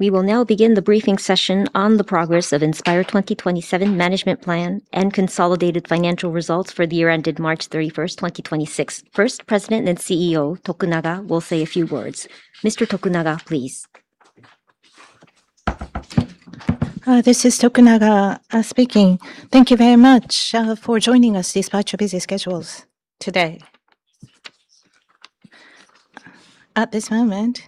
We will now begin the briefing session on the progress of Inspire 2027 management plan and consolidated financial results for the year ended March 31st, 2026. First, President and CEO Tokunaga will say a few words. Mr. Tokunaga, please. This is Tokunaga speaking. Thank you very much for joining us despite your busy schedules today. At this moment,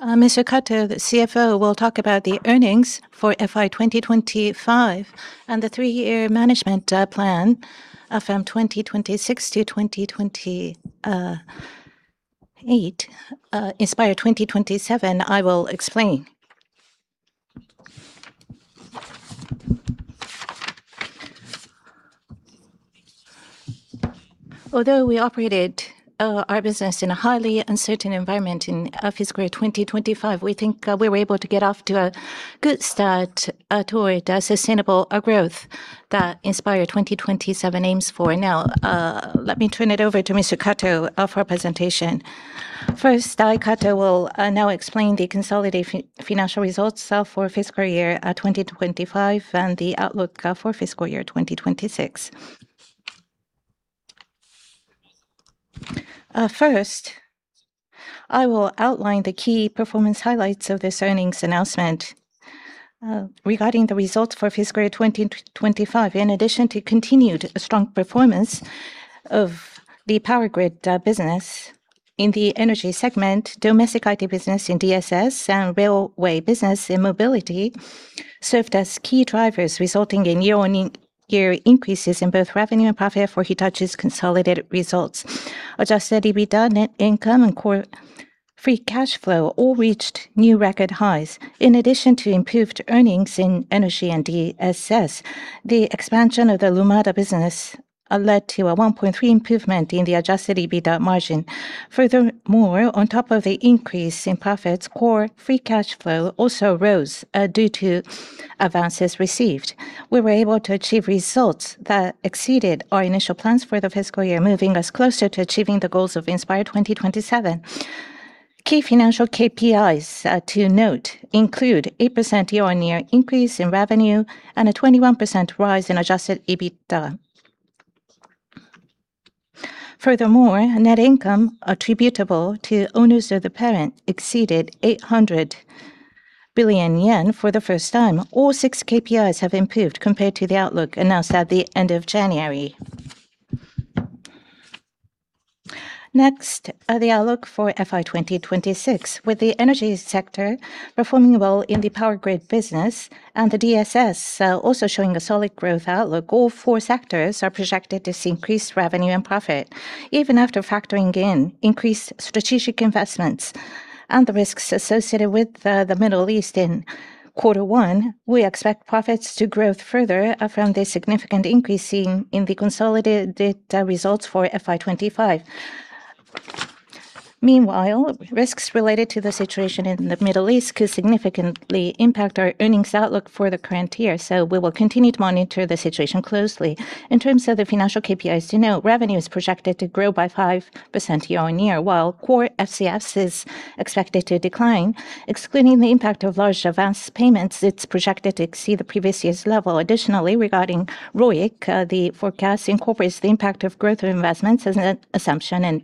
Mr. Kato, the CFO, will talk about the earnings for FY 2025 and the three-year management plan from 2026 to 2028, Inspire 2027. I will explain. Although we operated our business in a highly uncertain environment in fiscal year 2025, we think we were able to get off to a good start toward a sustainable growth that Inspire 2027 aims for. Now, let me turn it over to Mr. Kato for a presentation. First, Tomomi Kato will now explain the consolidated financial results for fiscal year 2025 and the outlook for fiscal year 2026. First, I will outline the key performance highlights of this earnings announcement, regarding the results for fiscal year 2025. In addition to continued strong performance of the power grid business in the energy segment, domestic IT business in DSS and railway business in mobility served as key drivers, resulting in year-on-year increases in both revenue and profit for Hitachi's consolidated results. Adjusted EBITDA, net income, and Core Free Cash Flow all reached new record highs. In addition to improved earnings in energy and DSS, the expansion of the Lumada business led to a 1.3 improvement in the Adjusted EBITDA margin. Furthermore, on top of the increase in profits, Core Free Cash Flow also rose due to advances received. We were able to achieve results that exceeded our initial plans for the fiscal year, moving us closer to achieving the goals of Inspire 2027. Key financial KPIs to note include 8% year-on-year increase in revenue and a 21% rise in Adjusted EBITDA. Furthermore, net income attributable to owners of the parent exceeded 800 billion yen for the first time. All six KPIs have improved compared to the outlook announced at the end of January. Next, the outlook for FY 2026. With the energy sector performing well in the power grid business and the DSS also showing a solid growth outlook, all four sectors are projected to see increased revenue and profit. Even after factoring in increased strategic investments and the risks associated with the Middle East in quarter one, we expect profits to grow further from the significant increase seen in the consolidated results for FY 2025. Meanwhile, risks related to the situation in the Middle East could significantly impact our earnings outlook for the current year. We will continue to monitor the situation closely. In terms of the financial KPIs to note, revenue is projected to grow by 5% year-on-year. While core FCF is expected to decline, excluding the impact of large advanced payments, it's projected to exceed the previous year's level. Additionally, regarding ROIC, the forecast incorporates the impact of growth investments as an assumption and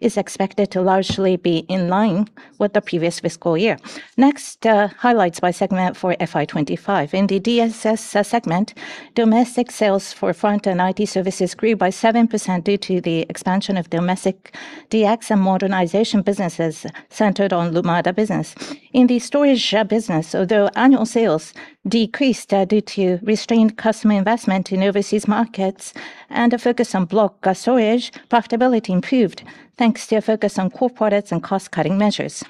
is expected to largely be in line with the previous fiscal year. Next, highlights by segment for FY 2025. In the DSS segment, domestic sales for front-end IT services grew by 7% due to the expansion of domestic DX and modernization businesses centered on Lumada business. In the storage business, although annual sales decreased due to restrained customer investment in overseas markets and a focus on block storage, profitability improved thanks to a focus on core products and cost-cutting measures.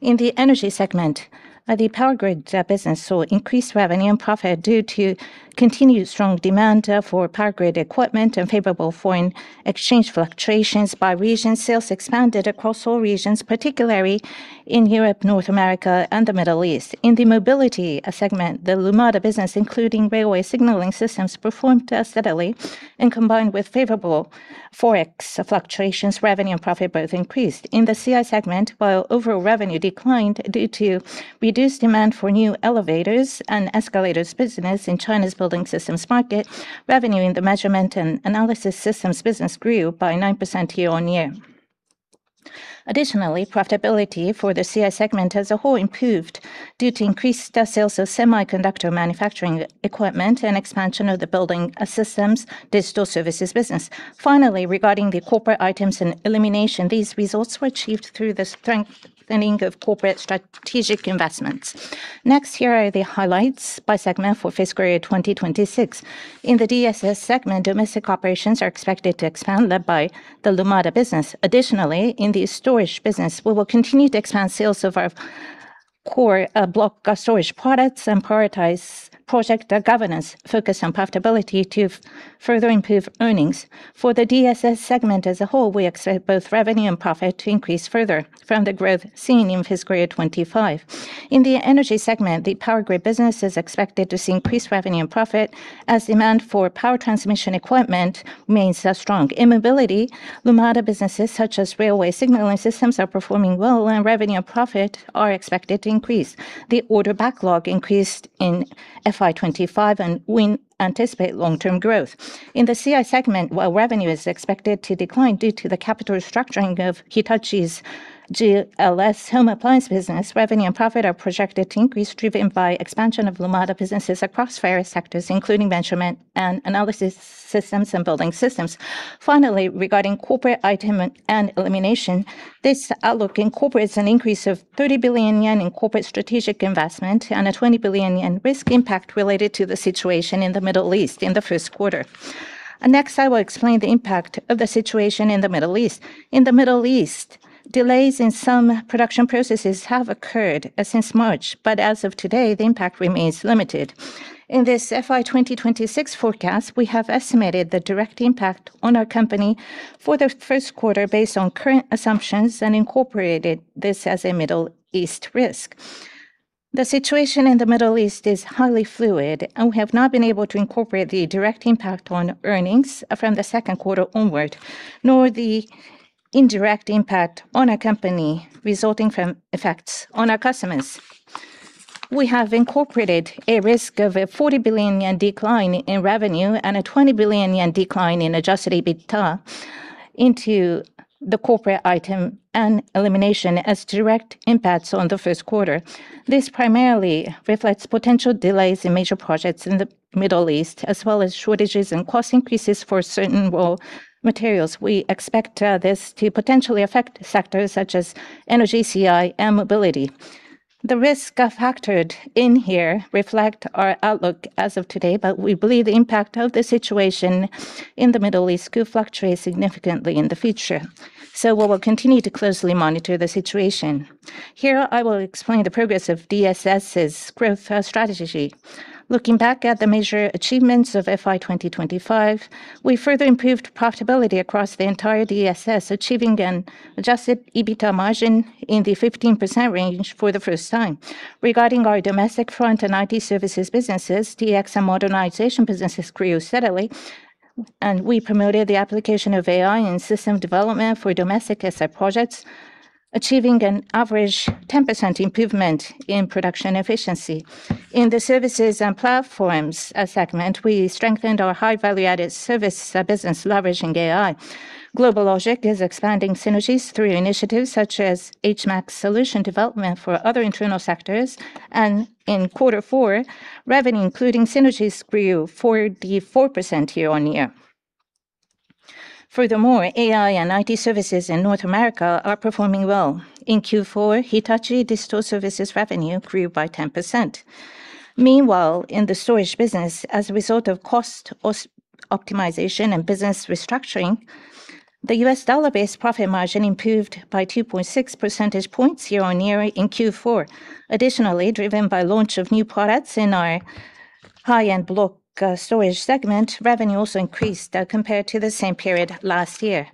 In the energy segment, the power grid business saw increased revenue and profit due to continued strong demand for power grid equipment and favorable foreign exchange fluctuations by region. Sales expanded across all regions, particularly in Europe, North America, and the Middle East. In the mobility segment, the Lumada business, including railway signaling systems, performed steadily and combined with favorable forex fluctuations, revenue and profit both increased. In the CI segment, while overall revenue declined due to reduced demand for new elevators and escalators business in China's building systems market, revenue in the measurement and analysis systems business grew by 9% year-on-year. Additionally, profitability for the CI segment as a whole improved due to increased sales of semiconductor manufacturing equipment and expansion of the building systems digital services business. Finally, regarding the corporate items and elimination, these results were achieved through the strengthening of corporate strategic investments. Next, here are the highlights by segment for fiscal year 2026. In the DSS segment, domestic operations are expected to expand led by the Lumada business. Additionally, in the storage business, we will continue to expand sales of our core block storage products and prioritize project governance focused on profitability to further improve earnings. For the DSS segment as a whole, we expect both revenue and profit to increase further from the growth seen in fiscal year 2025. In the energy segment, the power grid business is expected to see increased revenue and profit as demand for power transmission equipment remains strong. In mobility, Lumada businesses such as railway signaling systems are performing well, and revenue and profit are expected to increase. The order backlog increased in FY 2025, and we anticipate long-term growth. In the CI segment, while revenue is expected to decline due to the capital restructuring of Hitachi's GLS home appliance business, revenue and profit are projected to increase, driven by expansion of Lumada businesses across various sectors, including measurement and analysis systems and building systems. Finally, regarding corporate item and elimination, this outlook incorporates an increase of 30 billion yen in corporate strategic investment and a 20 billion yen risk impact related to the situation in the Middle East in the first quarter. Next, I will explain the impact of the situation in the Middle East. In the Middle East, delays in some production processes have occurred since March, but as of today, the impact remains limited. In this FY 2026 forecast, we have estimated the direct impact on our company for the first quarter based on current assumptions and incorporated this as a Middle East risk. The situation in the Middle East is highly fluid, and we have not been able to incorporate the direct impact on earnings from the second quarter onward, nor the indirect impact on our company resulting from effects on our customers. We have incorporated a risk of a 40 billion yen decline in revenue and a 20 billion yen decline in adjusted EBITDA into the corporate item and elimination as direct impacts on the first quarter. This primarily reflects potential delays in major projects in the Middle East, as well as shortages and cost increases for certain raw materials. We expect this to potentially affect sectors such as energy, CI, and mobility. The risks factored in here reflect our outlook as of today, but we believe the impact of the situation in the Middle East could fluctuate significantly in the future. We will continue to closely monitor the situation. Here, I will explain the progress of DSS's growth strategy. Looking back at the major achievements of FY 2025, we further improved profitability across the entire DSS, achieving an Adjusted EBITDA margin in the 15% range for the first time. Regarding our domestic front and IT services businesses, DX and modernization businesses grew steadily, and we promoted the application of AI in system development for domestic SI projects, achieving an average 10% improvement in production efficiency. In the services and platforms segment, we strengthened our high value-added service business, leveraging AI. GlobalLogic is expanding synergies through initiatives such as HMAX solution development for other internal sectors, and in quarter 4, revenue, including synergies, grew 44% year-on-year. Furthermore, AI and IT services in North America are performing well. In Q4, Hitachi Digital Services revenue grew by 10%. Meanwhile, in the storage business, as a result of cost optimization and business restructuring, the US dollar-based profit margin improved by 2.6 percentage points year-on-year in Q4. Additionally, driven by launch of new products in our high-end block storage segment, revenue also increased compared to the same period last year.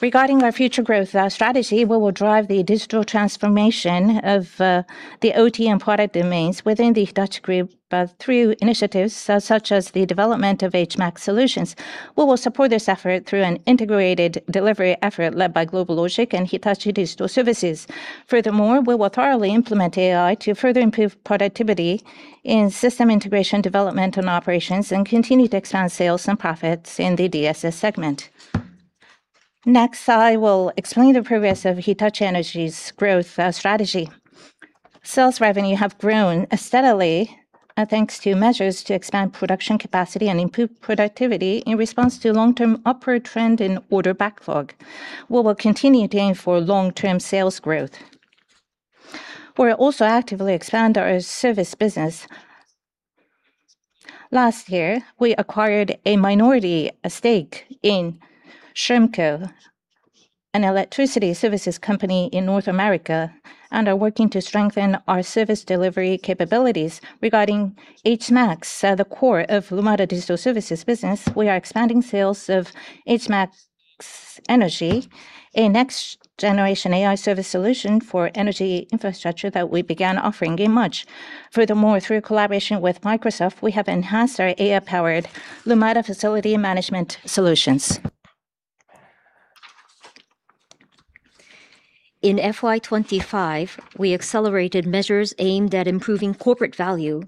Regarding our future growth strategy, we will drive the digital transformation of the OT and product domains within the Hitachi group through initiatives such as the development of HMAX solutions. We will support this effort through an integrated delivery effort led by GlobalLogic and Hitachi Digital Services. Furthermore, we will thoroughly implement AI to further improve productivity in system integration, development, and operations and continue to expand sales and profits in the DSS segment. Next, I will explain the progress of Hitachi Energy's growth strategy. Sales revenue have grown steadily, thanks to measures to expand production capacity and improve productivity in response to long-term upward trend in order backlog. We will continue to aim for long-term sales growth. We'll also actively expand our service business. Last year, we acquired a minority stake in Shermco, an electricity services company in North America, and are working to strengthen our service delivery capabilities. Regarding HMAX, the core of Lumada Digital Services business, we are expanding sales of HMAX Energy, a next-generation AI service solution for energy infrastructure that we began offering in March. Furthermore, through collaboration with Microsoft, we have enhanced our AI-powered Lumada facility management solutions. In FY 2025, we accelerated measures aimed at improving corporate value.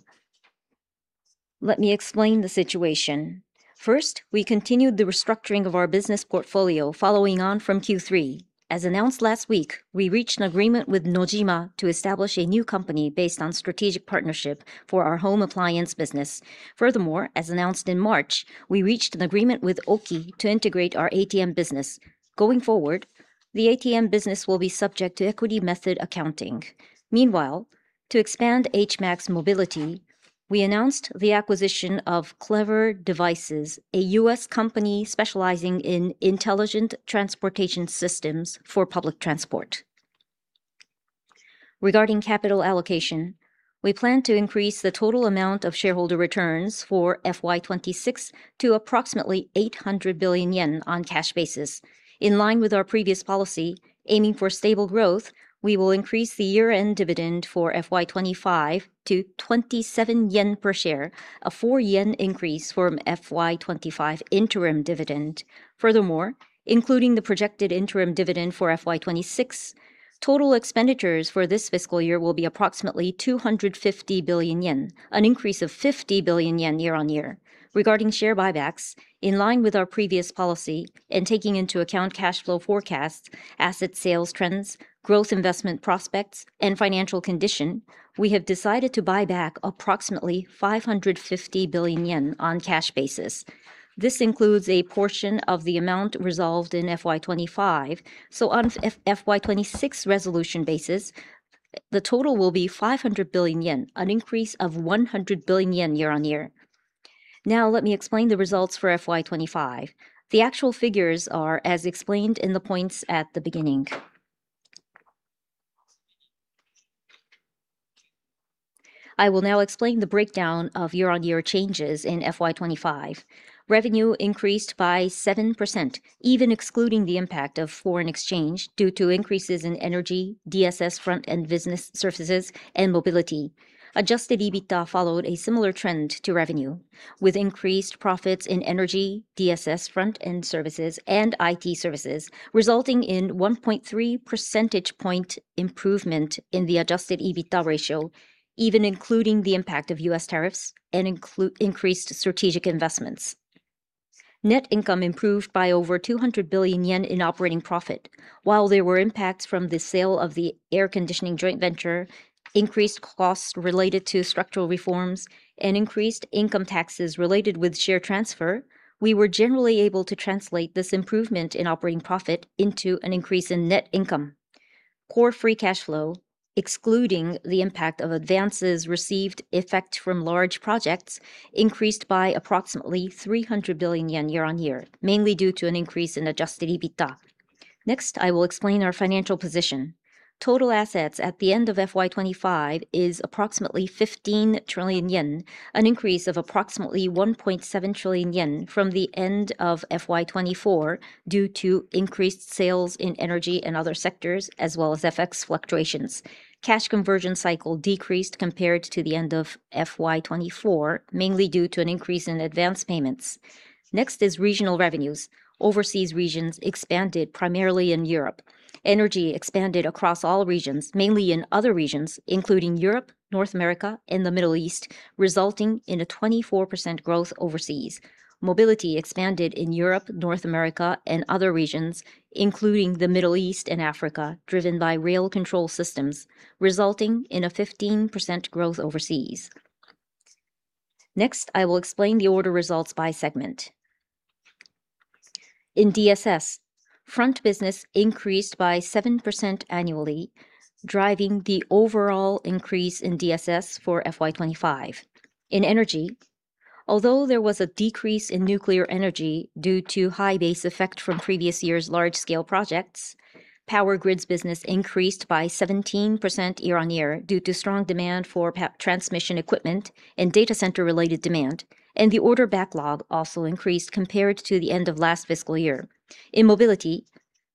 Let me explain the situation. First, we continued the restructuring of our business portfolio following on from Q3. As announced last week, we reached an agreement with Nojima to establish a new company based on strategic partnership for our home appliance business. Furthermore, as announced in March, we reached an agreement with Oki to integrate our ATM business. Going forward, the ATM business will be subject to equity method accounting. Meanwhile, to expand HMAX Mobility, we announced the acquisition of Clever Devices, a U.S. company specializing in intelligent transportation systems for public transport. Regarding capital allocation. We plan to increase the total amount of shareholder returns for FY 2026 to approximately 800 billion yen on cash basis. In line with our previous policy aiming for stable growth, we will increase the year-end dividend for FY 2025 to 27 yen per share, a 4 yen increase from FY 2025 interim dividend. Furthermore, including the projected interim dividend for FY 2026, total expenditures for this fiscal year will be approximately 250 billion yen, an increase of 50 billion yen year-on-year. Regarding share buybacks, in line with our previous policy and taking into account cash flow forecasts, asset sales trends, growth investment prospects, and financial condition, we have decided to buy back approximately 550 billion yen on cash basis. This includes a portion of the amount resolved in FY 2025, so on FY 2026 resolution basis, the total will be 500 billion yen, an increase of 100 billion yen year-on-year. Now let me explain the results for FY 2025. The actual figures are as explained in the points at the beginning. I will now explain the breakdown of year-on-year changes in FY 2025. Revenue increased by 7%, even excluding the impact of foreign exchange due to increases in energy, DSS front-end business services, and mobility. Adjusted EBITDA followed a similar trend to revenue, with increased profits in energy, DSS front-end services, and IT services, resulting in 1.3 percentage point improvement in the adjusted EBITDA ratio, even including the impact of U.S. tariffs and increased strategic investments. Net income improved by over 200 billion yen in operating profit. While there were impacts from the sale of the air conditioning joint venture, increased costs related to structural reforms, and increased income taxes related with share transfer, we were generally able to translate this improvement in operating profit into an increase in net income. Core Free Cash Flow, excluding the impact of advances received effect from large projects, increased by approximately 300 billion yen year-on-year, mainly due to an increase in Adjusted EBITDA. Next, I will explain our financial position. Total assets at the end of FY 2025 is approximately 15 trillion yen, an increase of approximately 1.7 trillion yen from the end of FY 2024 due to increased sales in energy and other sectors as well as FX fluctuations. Cash conversion cycle decreased compared to the end of FY 2024, mainly due to an increase in advance payments. Next is regional revenues. Overseas regions expanded primarily in Europe. Energy expanded across all regions, mainly in other regions, including Europe, North America, and the Middle East, resulting in a 24% growth overseas. Mobility expanded in Europe, North America, and other regions, including the Middle East and Africa, driven by rail control systems, resulting in a 15% growth overseas. Next, I will explain the order results by segment. In DSS, front business increased by 7% annually, driving the overall increase in DSS for FY 2025. In energy, although there was a decrease in nuclear energy due to high base effect from previous year's large-scale projects, power grids business increased by 17% year-on-year due to strong demand for power transmission equipment and data center-related demand, and the order backlog also increased compared to the end of last fiscal year. In mobility,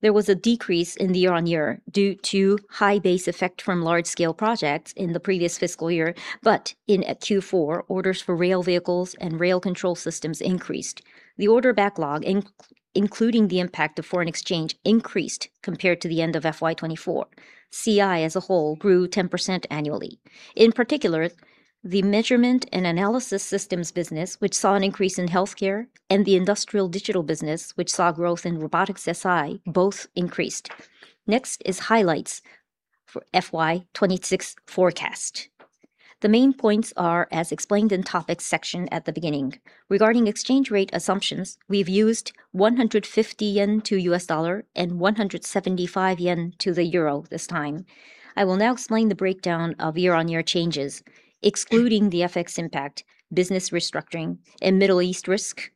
there was a decrease in the year-on-year due to high base effect from large-scale projects in the previous fiscal year. In Q4, orders for rail vehicles and rail control systems increased. The order backlog, including the impact of foreign exchange increased compared to the end of FY 2024. CI as a whole grew 10% annually. In particular, the measurement and analysis systems business, which saw an increase in healthcare, and the industrial digital business, which saw growth in robotics SI, both increased. Next is highlights for FY 2026 forecast. The main points are as explained in topics section at the beginning. Regarding exchange rate assumptions, we've used 150 yen to the U.S. dollar and 175 yen to the euro this time. I will now explain the breakdown of year-on-year changes, excluding the FX impact, business restructuring, and Middle East risk.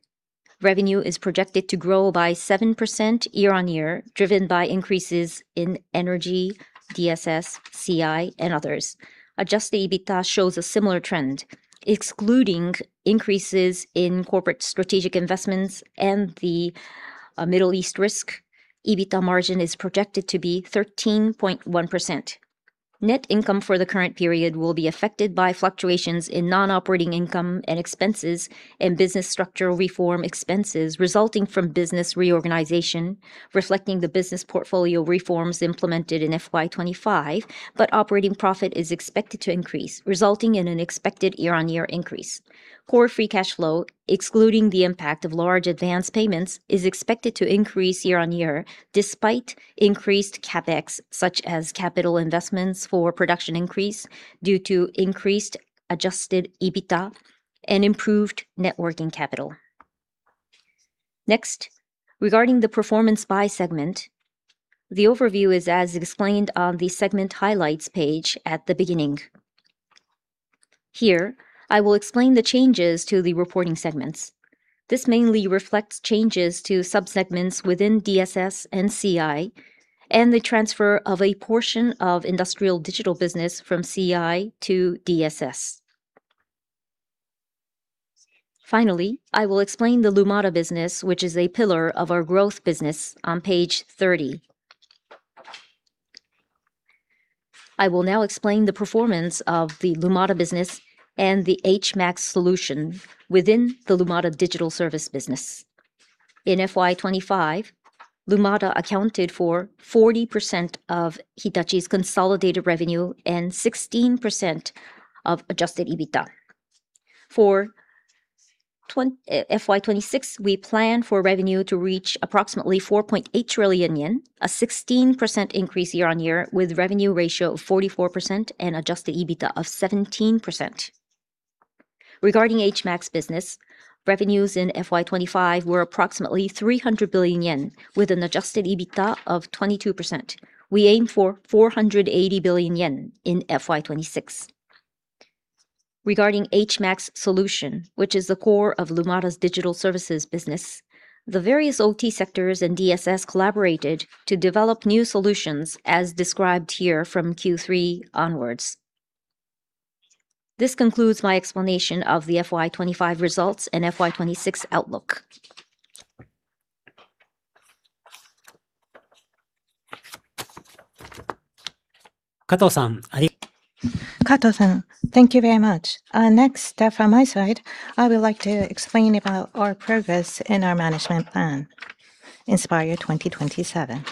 Revenue is projected to grow by 7% year-on-year, driven by increases in energy, DSS, CI, and others. Adjusted EBITDA shows a similar trend. Excluding increases in corporate strategic investments and the Middle East risk, EBITDA margin is projected to be 13.1%. Net income for the current period will be affected by fluctuations in non-operating income and expenses and business structural reform expenses resulting from business reorganization, reflecting the business portfolio reforms implemented in FY 2025, but operating profit is expected to increase, resulting in an expected year-on-year increase. Core Free Cash Flow, excluding the impact of large advance payments, is expected to increase year-on-year despite increased CapEx, such as capital investments for production increase due to increased adjusted EBITDA and improved working capital. Next, regarding the performance by segment, the overview is as explained on the segment highlights page at the beginning. Here, I will explain the changes to the reporting segments. This mainly reflects changes to sub-segments within DSS and CI and the transfer of a portion of industrial digital business from CI to DSS. Finally, I will explain the Lumada business, which is a pillar of our growth business on page 30. I will now explain the performance of the Lumada business and the HMAX solution within the Lumada digital service business. In FY 2025, Lumada accounted for 40% of Hitachi's consolidated revenue and 16% of adjusted EBITDA. For FY 2026, we plan for revenue to reach approximately 4.8 trillion yen, a 16% increase year on year with revenue ratio of 44% and adjusted EBITDA of 17%. Regarding HMAX business, revenues in FY 2025 were approximately 300 billion yen with an adjusted EBITDA of 22%. We aim for 480 billion yen in FY 2026. Regarding HMAX solution, which is the core of Lumada's digital services business, the various OT sectors and DSS collaborated to develop new solutions as described here from Q3 onwards. This concludes my explanation of the FY 2025 results and FY 2026 outlook. Kato, thank you very much. Next, from my side, I would like to explain about our progress in our management plan, Inspire 2027.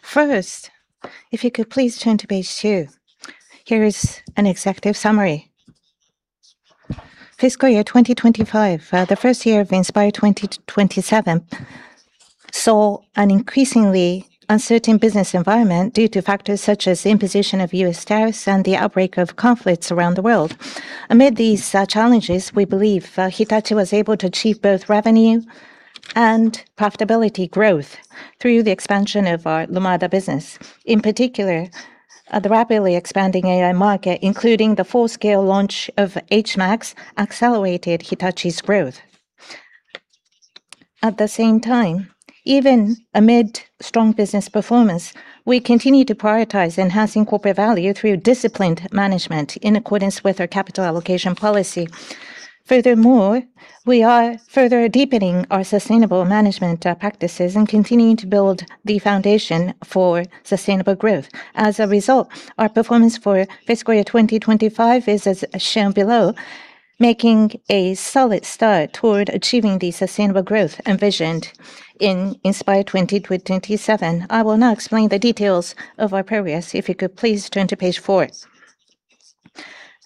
First, if you could please turn to page 2. Here is an executive summary. Fiscal year 2025, the first year of Inspire 2027, saw an increasingly uncertain business environment due to factors such as the imposition of U.S. tariffs and the outbreak of conflicts around the world. Amid these challenges, we believe Hitachi was able to achieve both revenue and profitability growth through the expansion of our Lumada business. In particular, the rapidly expanding AI market, including the full-scale launch of HMAX, accelerated Hitachi's growth. At the same time, even amid strong business performance, we continue to prioritize enhancing corporate value through disciplined management in accordance with our capital allocation policy. Furthermore, we are further deepening our sustainable management practices and continuing to build the foundation for sustainable growth. As a result, our performance for fiscal year 2025 is as shown below, making a solid start toward achieving the sustainable growth envisioned in Inspire 2027. I will now explain the details of our progress. If you could please turn to page 4.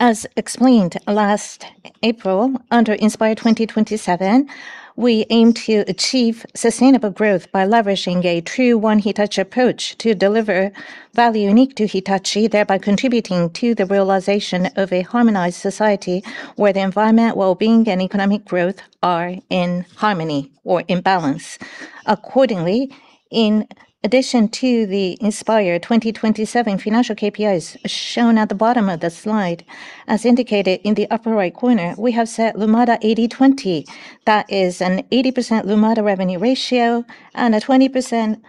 As explained last April, under Inspire 2027, we aim to achieve sustainable growth by leveraging a true One Hitachi approach to deliver value unique to Hitachi, thereby contributing to the realization of a harmonized society where the environment, wellbeing, and economic growth are in harmony or in balance. Accordingly, in addition to the Inspire 2027 financial KPIs shown at the bottom of the slide, as indicated in the upper right corner, we have set Lumada 80-20. That is an 80% Lumada revenue ratio and a 20%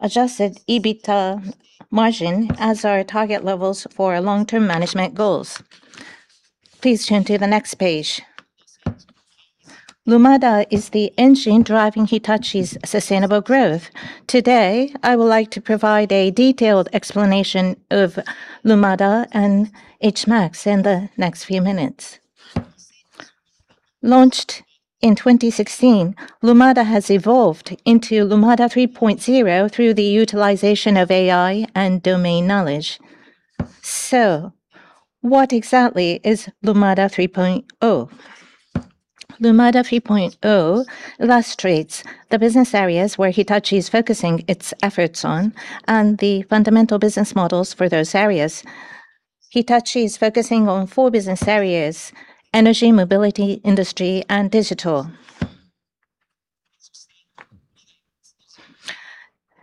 adjusted EBITDA margin as our target levels for our long-term management goals. Please turn to the next page. Lumada is the engine driving Hitachi's sustainable growth. Today, I would like to provide a detailed explanation of Lumada and HMAX in the next few minutes. Launched in 2016, Lumada has evolved into Lumada 3.0 through the utilization of AI and domain knowledge. What exactly is Lumada 3.0? Lumada 3.0 illustrates the business areas where Hitachi is focusing its efforts on and the fundamental business models for those areas. Hitachi is focusing on four business areas: energy, mobility, industry, and digital.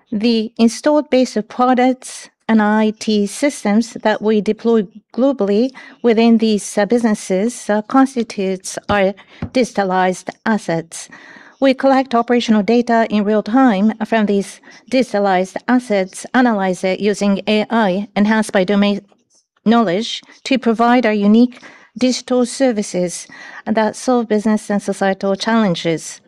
The installed base of products and IT systems that we deploy globally within these businesses constitutes our digitalized assets. We collect operational data in real time from these digitalized assets, analyze it using AI enhanced by domain knowledge to provide our unique digital services that solve business and societal challenges.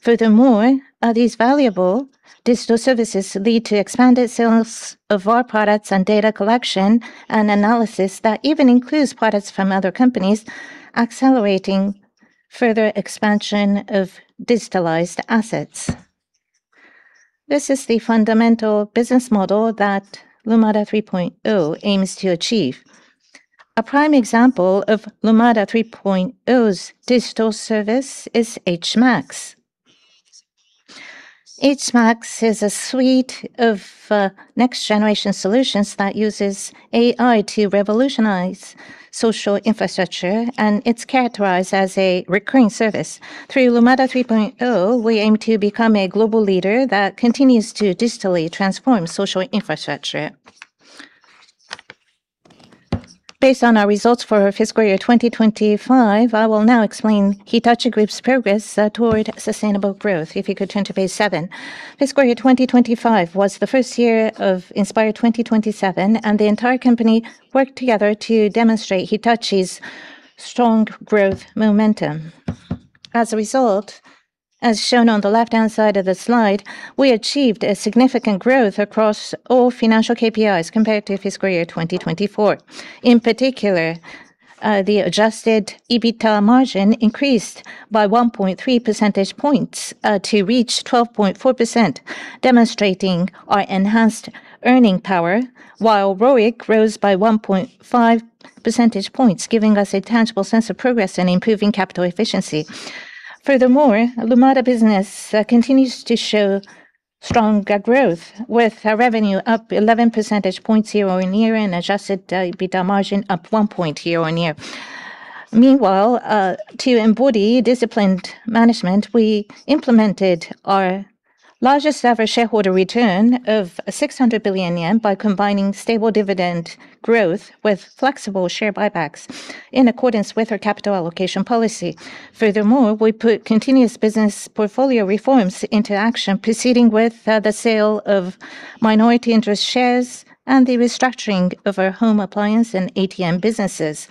Furthermore, these valuable digital services lead to expanded sales of our products and data collection and analysis that even includes products from other companies, accelerating further expansion of digitalized assets. This is the fundamental business model that Lumada 3.0 aims to achieve. A prime example of Lumada 3.0's digital service is HMAX. HMAX is a suite of next-generation solutions that uses AI to revolutionize social infrastructure, and it's characterized as a recurring service. Through Lumada 3.0, we aim to become a global leader that continues to digitally transform social infrastructure. Based on our results for fiscal year 2025, I will now explain Hitachi Group's progress toward sustainable growth. If you could turn to page 7. Fiscal year 2025 was the first year of Inspire 2027, and the entire company worked together to demonstrate Hitachi's strong growth momentum. As a result, as shown on the left-hand side of the slide, we achieved a significant growth across all financial KPIs compared to fiscal year 2024. In particular, the Adjusted EBITDA margin increased by 1.3 percentage points to reach 12.4%, demonstrating our enhanced earning power, while ROIC rose by 1.5 percentage points, giving us a tangible sense of progress in improving capital efficiency. Furthermore, Lumada business continues to show strong growth with our revenue up 11 percentage points year-on-year and Adjusted EBITDA margin up one point year-on-year. Meanwhile, to embody disciplined management, we implemented our largest ever shareholder return of 600 billion yen by combining stable dividend growth with flexible share buybacks in accordance with our capital allocation policy. Furthermore, we put continuous business portfolio reforms into action, proceeding with the sale of minority interest shares and the restructuring of our home appliance and ATM businesses.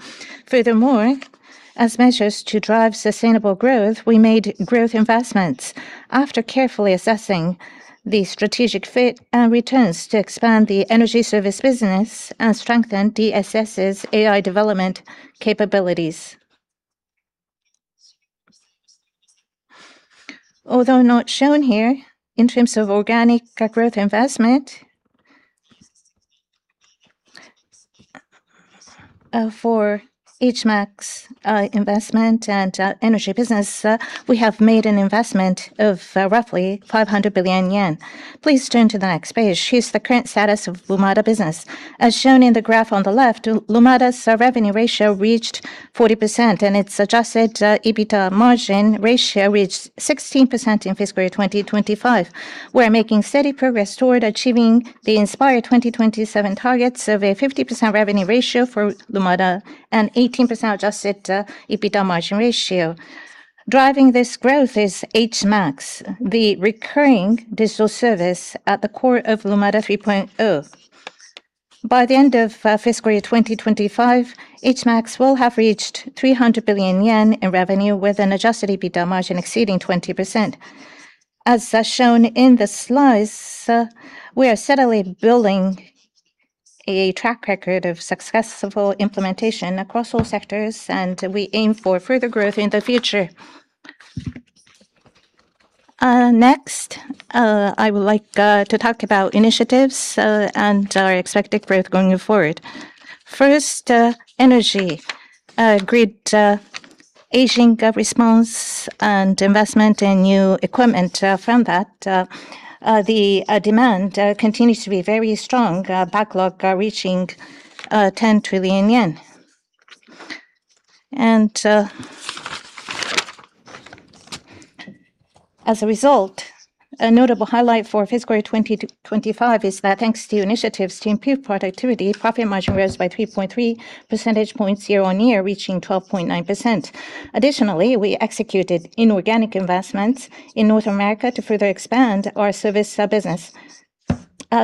Furthermore, as measures to drive sustainable growth, we made growth investments after carefully assessing the strategic fit and returns to expand the energy service business and strengthen DSS' AI development capabilities. Although not shown here, in terms of organic growth investment, for HMAX investment and energy business, we have made an investment of roughly 500 billion yen. Please turn to the next page. Here's the current status of Lumada business. As shown in the graph on the left, Lumada's revenue ratio reached 40%, and its adjusted EBITDA margin ratio reached 16% in fiscal year 2025. We're making steady progress toward achieving the Inspire 2027 targets of a 50% revenue ratio for Lumada and 18% adjusted EBITDA margin ratio. Driving this growth is HMAX, the recurring digital service at the core of Lumada 3.0. By the end of fiscal year 2025, HMAX will have reached 300 billion yen in revenue with an adjusted EBITDA margin exceeding 20%. As shown in the slides, we are steadily building a track record of successful implementation across all sectors, and we aim for further growth in the future. Next, I would like to talk about initiatives and our expected growth going forward. First, energy. Grid aging response and investment in new equipment, from that, the demand continues to be very strong, backlog reaching 10 trillion yen. As a result, a notable highlight for fiscal year 2025 is that thanks to initiatives to improve productivity, profit margin rose by 3.3 percentage points year-over-year, reaching 12.9%. Additionally, we executed inorganic investments in North America to further expand our service business.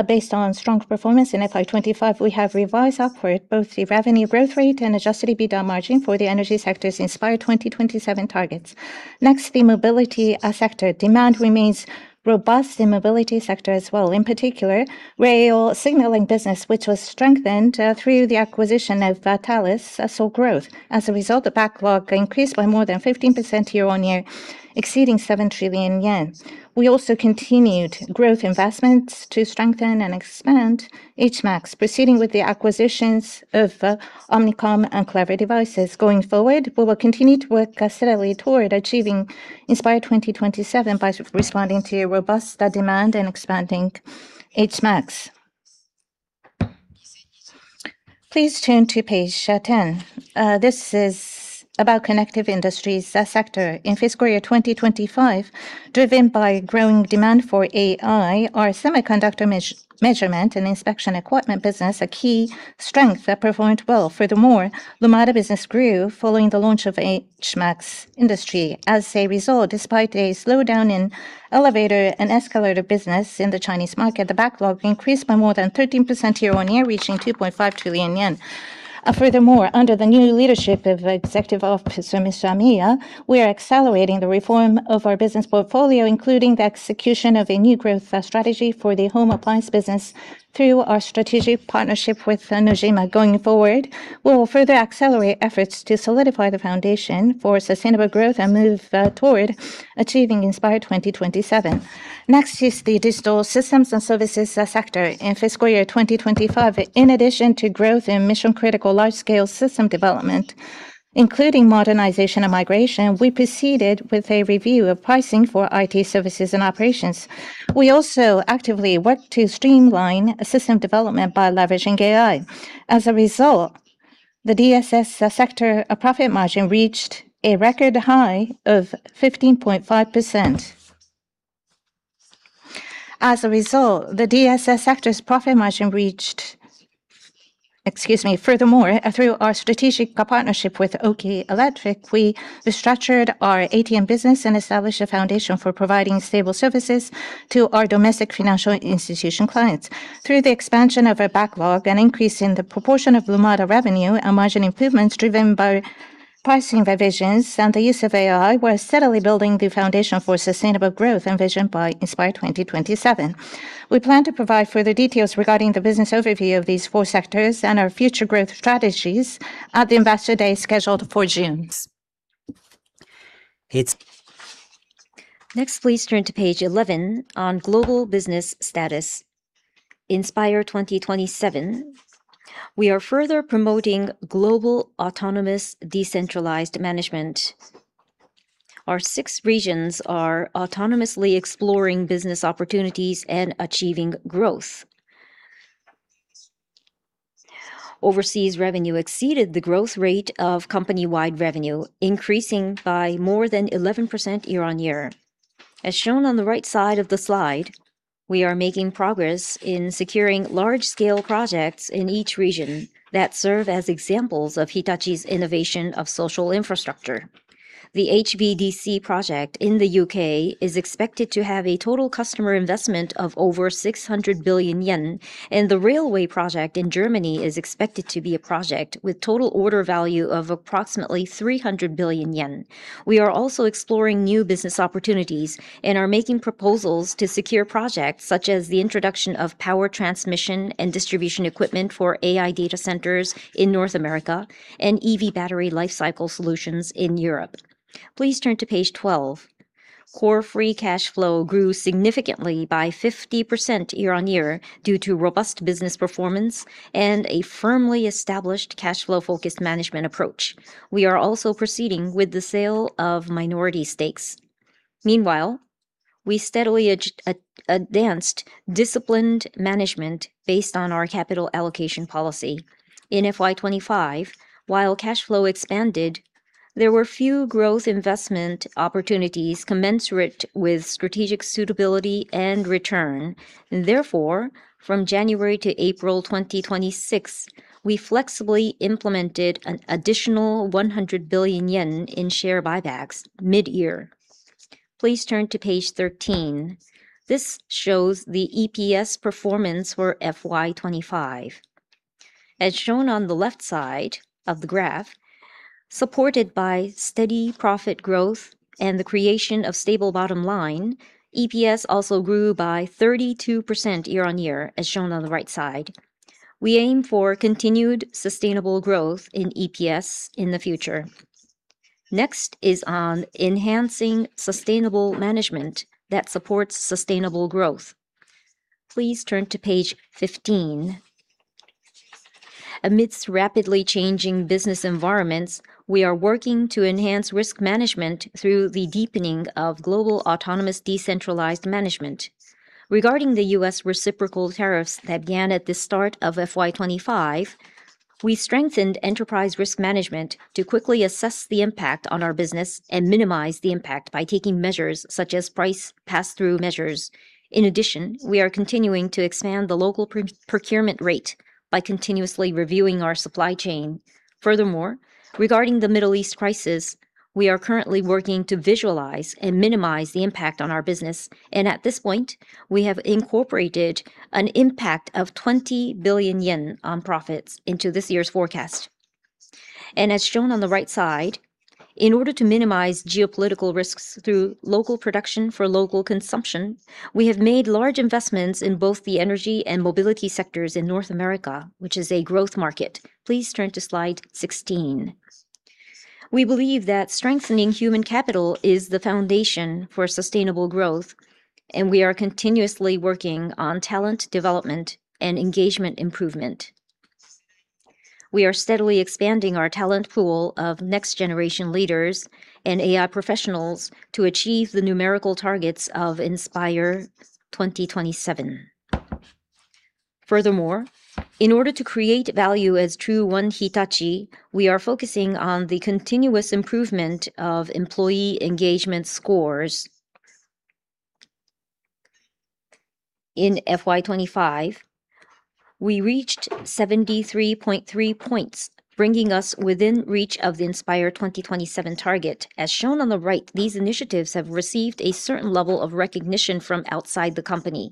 Based on strong performance in FY 2025, we have revised upward both the revenue growth rate and Adjusted EBITDA margin for the Energy sector's Inspire 2027 targets. Next, the Mobility sector. Demand remains robust in Mobility sector as well. In particular, rail signaling business, which was strengthened through the acquisition of Thales, saw growth. As a result, the backlog increased by more than 15% year-on-year, exceeding 7 trillion yen. We also continued growth investments to strengthen and expand HMAX, proceeding with the acquisitions of Omnicom and Clever Devices. Going forward, we will continue to work steadily toward achieving Inspire 2027 by responding to a robust demand and expanding HMAX. Please turn to page 10. This is about Connective Industries sector. In fiscal year 2025, driven by growing demand for AI, our semiconductor measurement and inspection equipment business, a key strength that performed well. Furthermore, Lumada business grew following the launch of HMAX Industry. As a result, despite a slowdown in elevator and escalator business in the Chinese market, the backlog increased by more than 13% year-on-year, reaching 2.5 trillion yen. Furthermore, under the new leadership of Executive Officer Mr. Miya, we are accelerating the reform of our business portfolio, including the execution of a new growth strategy for the home appliance business through our strategic partnership with Nojima. Going forward, we will further accelerate efforts to solidify the foundation for sustainable growth and move toward achieving Inspire 2027. Next is the Digital Systems and Services sector in fiscal year 2025. In addition to growth in mission-critical large-scale system development, including modernization and migration, we proceeded with a review of pricing for IT services and operations. We also actively worked to streamline system development by leveraging AI. As a result, the DSS sector profit margin reached a record high of 15.5%. Furthermore, through our strategic partnership with Oki Electric, we restructured our ATM business and established a foundation for providing stable services to our domestic financial institution clients. Through the expansion of our backlog and increase in the proportion of Lumada revenue and margin improvements driven by pricing revisions and the use of AI, we are steadily building the foundation for sustainable growth envisioned by Inspire 2027. We plan to provide further details regarding the business overview of these four sectors and our future growth strategies at the Investor Day scheduled for June. Next, please turn to page 11 on global business status. Inspire 2027, we are further promoting global autonomous decentralized management. Our six regions are autonomously exploring business opportunities and achieving growth. Overseas revenue exceeded the growth rate of company-wide revenue, increasing by more than 11% year-on-year. A s shown on the right side of the slide, we are making progress in securing large-scale projects in each region that serve as examples of Hitachi's innovation of social infrastructure. The HVDC project in the U.K. is expected to have a total customer investment of over 600 billion yen, and the railway project in Germany is expected to be a project with total order value of approximately 300 billion yen. We are also exploring new business opportunities and are making proposals to secure projects such as the introduction of power transmission and distribution equipment for AI data centers in North America and EV battery lifecycle solutions in Europe. Please turn to page 12. Core Free Cash Flow grew significantly by 50% year-on-year due to robust business performance and a firmly established cash flow focused management approach. We are also proceeding with the sale of minority stakes. Meanwhile, we steadily advanced disciplined management based on our capital allocation policy. In FY 2025, while cash flow expanded, there were few growth investment opportunities commensurate with strategic suitability and return. Therefore, from January to April 2026, we flexibly implemented an additional 100 billion yen in share buybacks mid-year. Please turn to page 13. This shows the EPS performance for FY 2025. As shown on the left side of the graph, supported by steady profit growth and the creation of stable bottom line, EPS also grew by 32% year-on-year, as shown on the right side. We aim for continued sustainable growth in EPS in the future. Next is on enhancing sustainable management that supports sustainable growth. Please turn to page 15. Amidst rapidly changing business environments, we are working to enhance risk management through the deepening of global autonomous decentralized management. Regarding the U.S. reciprocal tariffs that began at the start of FY 2025, we strengthened enterprise risk management to quickly assess the impact on our business and minimize the impact by taking measures such as price pass-through measures. In addition, we are continuing to expand the local procurement rate by continuously reviewing our supply chain. Furthermore, regarding the Middle East crisis, we are currently working to visualize and minimize the impact on our business. At this point, we have incorporated an impact of 20 billion yen on profits into this year's forecast. As shown on the right side, in order to minimize geopolitical risks through local production for local consumption, we have made large investments in both the energy and mobility sectors in North America, which is a growth market. Please turn to slide 16. We believe that strengthening human capital is the foundation for sustainable growth, and we are continuously working on talent development and engagement improvement. We are steadily expanding our talent pool of next generation leaders and AI professionals to achieve the numerical targets of Inspire 2027. Furthermore, in order to create value as true One Hitachi, we are focusing on the continuous improvement of employee engagement scores. In FY 2025, we reached 73.3 points, bringing us within reach of the Inspire 2027 target. As shown on the right, these initiatives have received a certain level of recognition from outside the company.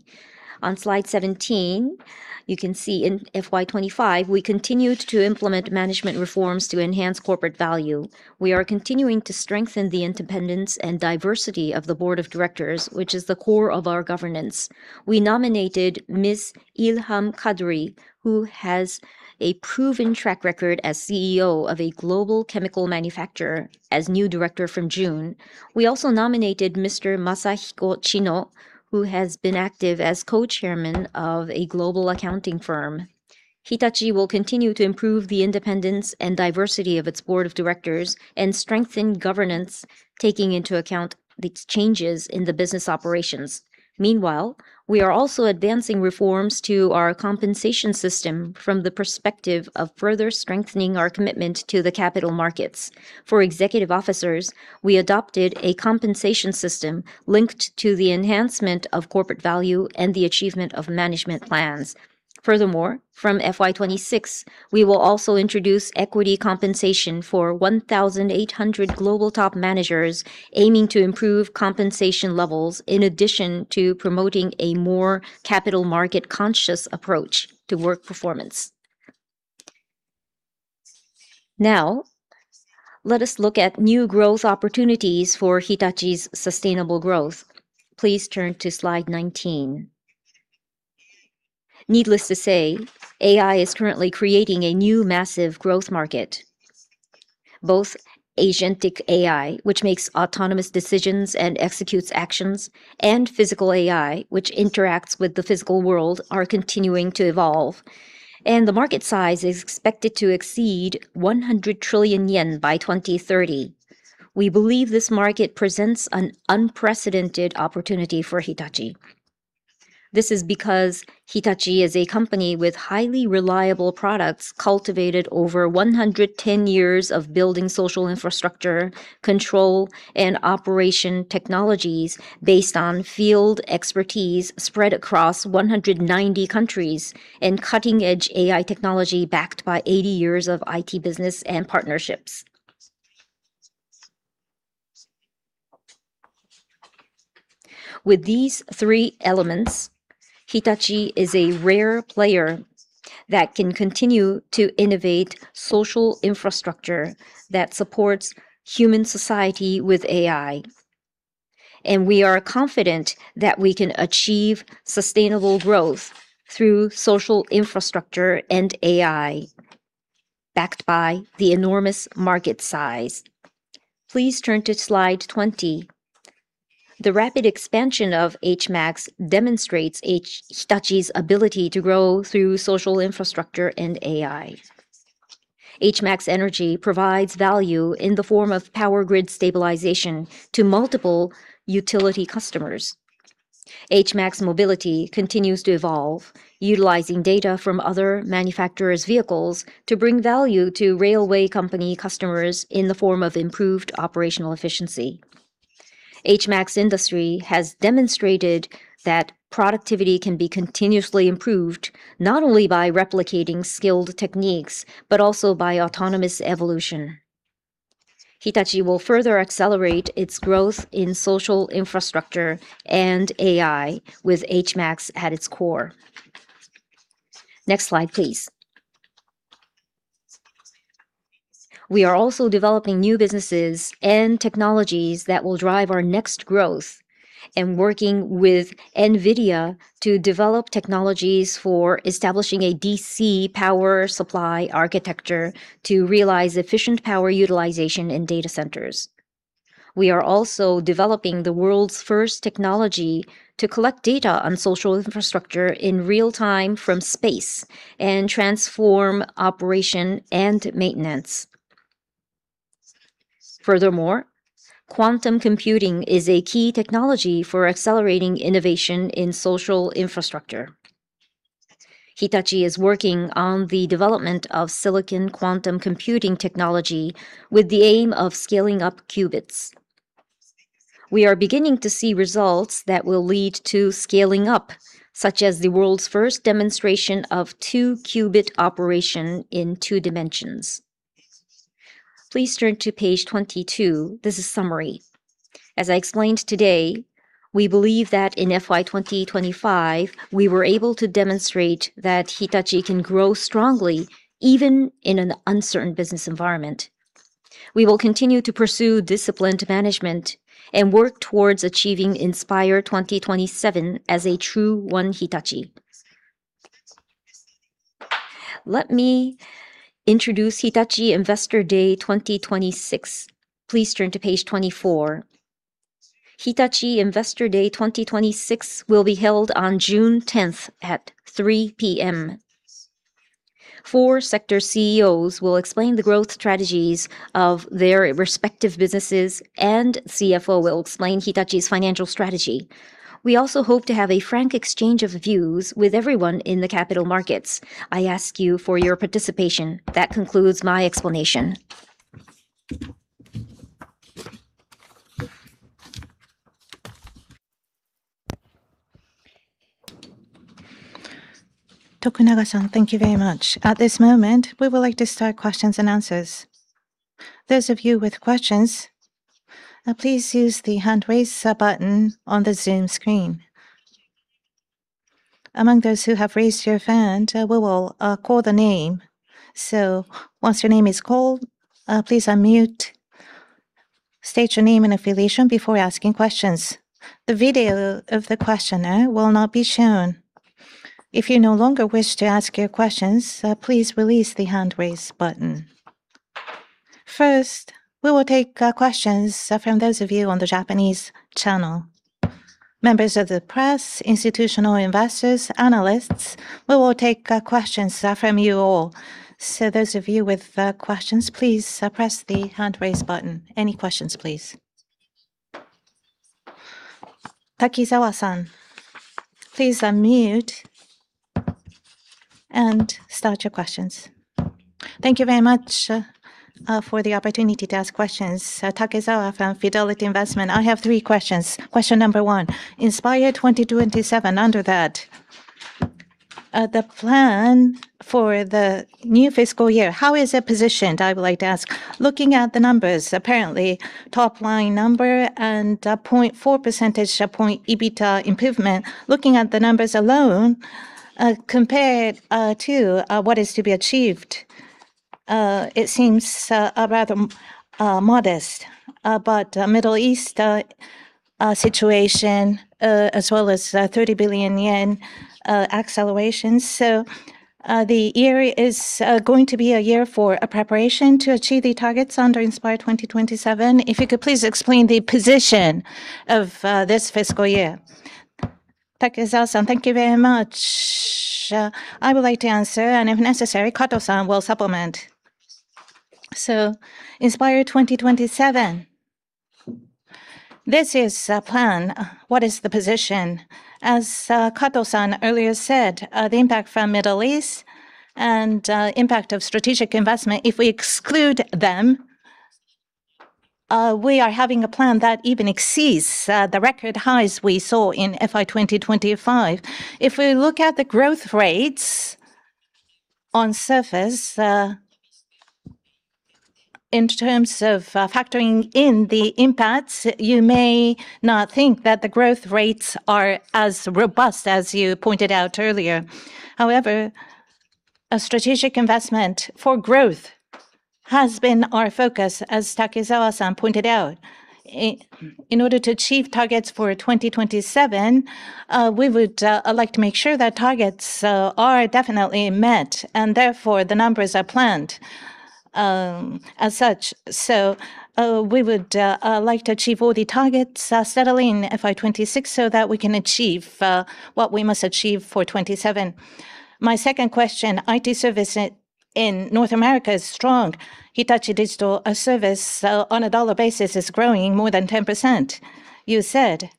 On slide 17, you can see in FY 2025, we continued to implement management reforms to enhance corporate value. We are continuing to strengthen the independence and diversity of the board of directors, which is the core of our governance. We nominated Ms. Ilham Kadri, who has a proven track record as CEO of a global chemical manufacturer, as new director from June. We also nominated Mr. Masahiko Chino, who has been active as co-chairman of a global accounting firm. Hitachi will continue to improve the independence and diversity of its board of directors and strengthen governance, taking into account the changes in the business operations. Meanwhile, we are also advancing reforms to our compensation system from the perspective of further strengthening our commitment to the capital markets. For executive officers, we adopted a compensation system linked to the enhancement of corporate value and the achievement of management plans. Furthermore, from FY 2026, we will also introduce equity compensation for 1,800 global top managers aiming to improve compensation levels in addition to promoting a more capital market conscious approach to work performance. Now, let us look at new growth opportunities for Hitachi's sustainable growth. Please turn to slide 19. Needless to say, AI is currently creating a new massive growth market. Both Agentic AI, which makes autonomous decisions and executes actions, and Physical AI, which interacts with the physical world, are continuing to evolve, and the market size is expected to exceed 100 trillion yen by 2030. We believe this market presents an unprecedented opportunity for Hitachi. This is because Hitachi is a company with highly reliable products cultivated over 110 years of building social infrastructure, control, and operation technologies based on field expertise spread across 190 countries and cutting-edge AI technology backed by 80 years of IT business and partnerships. With these three elements, Hitachi is a rare player that can continue to innovate social infrastructure that supports human society with AI, and we are confident that we can achieve sustainable growth through social infrastructure and AI backed by the enormous market size. Please turn to slide 20. The rapid expansion of HMAX demonstrates Hitachi's ability to grow through social infrastructure and AI. HMAX Energy provides value in the form of power grid stabilization to multiple utility customers. HMAX Mobility continues to evolve, utilizing data from other manufacturers' vehicles to bring value to railway company customers in the form of improved operational efficiency. HMAX Industry has demonstrated that productivity can be continuously improved, not only by replicating skilled techniques, but also by autonomous evolution. Hitachi will further accelerate its growth in social infrastructure and AI with HMAX at its core. Next slide, please. We are also developing new businesses and technologies that will drive our next growth and working with NVIDIA to develop technologies for establishing a DC power supply architecture to realize efficient power utilization in data centers. We are also developing the world's first technology to collect data on social infrastructure in real time from space and transform operation and maintenance. Furthermore, quantum computing is a key technology for accelerating innovation in social infrastructure. Hitachi is working on the development of silicon quantum computing technology with the aim of scaling up qubits. We are beginning to see results that will lead to scaling up, such as the world's first demonstration of two qubit operation in two dimensions. Please turn to page 22. This is summary. As I explained today, we believe that in FY 2025, we were able to demonstrate that Hitachi can grow strongly even in an uncertain business environment. We will continue to pursue disciplined management and work towards achieving Inspire 2027 as a true One Hitachi. Let me introduce Hitachi Investor Day 2026. Please turn to page 24. Hitachi Investor Day 2026 will be held on June 10 at 3:00 P.M. Four sector CEOs will explain the growth strategies of their respective businesses, and CFO will explain Hitachi's financial strategy. We also hope to have a frank exchange of views with everyone in the capital markets. I ask you for your participation. That concludes my explanation. Tokunaga, thank you very much. At this moment, we would like to start questions and answers. Those of you with questions, please use the hand raise button on the Zoom screen. Among those who have raised your hand, we will call the name. Once your name is called, please unmute, state your name and affiliation before asking questions. The video of the questioner will not be shown. If you no longer wish to ask your questions, please release the hand raise button. First, we will take questions from those of you on the Japanese channel. Members of the press, institutional investors, analysts, we will take questions from you all. Those of you with questions, please press the hand raise button. Any questions, please? Takizawa, please unmute and start your questions. Thank you very much for the opportunity to ask questions. Takizawa from Fidelity Investments. I have three questions. Question number one, Inspire 2027, under that, the plan for the new fiscal year, how is it positioned? I would like to ask. Looking at the numbers, apparently top line number and 0.4 percentage point EBITDA improvement, looking at the numbers alone, compared to what is to be achieved, it seems a rather modest. But Middle East situation as well as 30 billion yen accelerations. The year is going to be a year for a preparation to achieve the targets under Inspire 2027. If you could please explain the position of this fiscal year. Takizawa, thank you very much. I would like to answer, and if necessary, Kato will supplement. Inspire 2027, this is a plan. What is the position? As Kato earlier said, the impact from Middle East and impact of strategic investment, if we exclude them, we are having a plan that even exceeds the record highs we saw in FY 2025. If we look at the growth rates on surface, in terms of factoring in the impacts, you may not think that the growth rates are as robust as you pointed out earlier. However, a strategic investment for growth has been our focus, as Takizawa pointed out. In order to achieve targets for 2027, we would like to make sure that targets are definitely met, and therefore, the numbers are planned as such. We would like to achieve all the targets steadily in FY 2026 so that we can achieve what we must achieve for 2027. My second question, IT service in North America is strong. Hitachi Digital Services on a dollar basis is growing more than 10%, you said.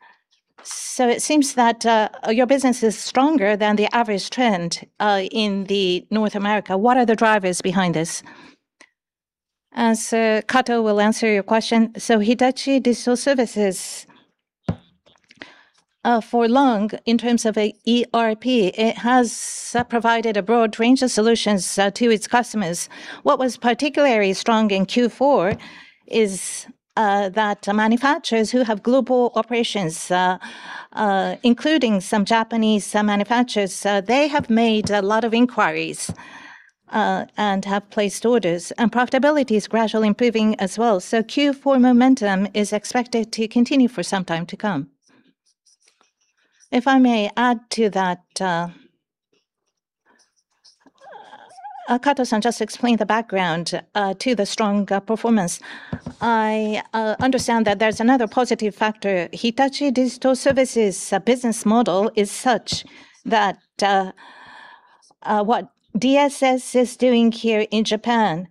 It seems that your business is stronger than the average trend in North America. What are the drivers behind this? Sir, Kato will answer your question. Hitachi Digital Services for long, in terms of an ERP, it has provided a broad range of solutions to its customers. What was particularly strong in Q4 is that manufacturers who have global operations, including some Japanese manufacturers, they have made a lot of inquiries and have placed orders, and profitability is gradually improving as well. Q4 momentum is expected to continue for some time to come. If I may add to that, Kato just explained the background to the strong performance. I understand that there's another positive factor. Hitachi Digital Services' business model is such that what DSS is doing here in Japan,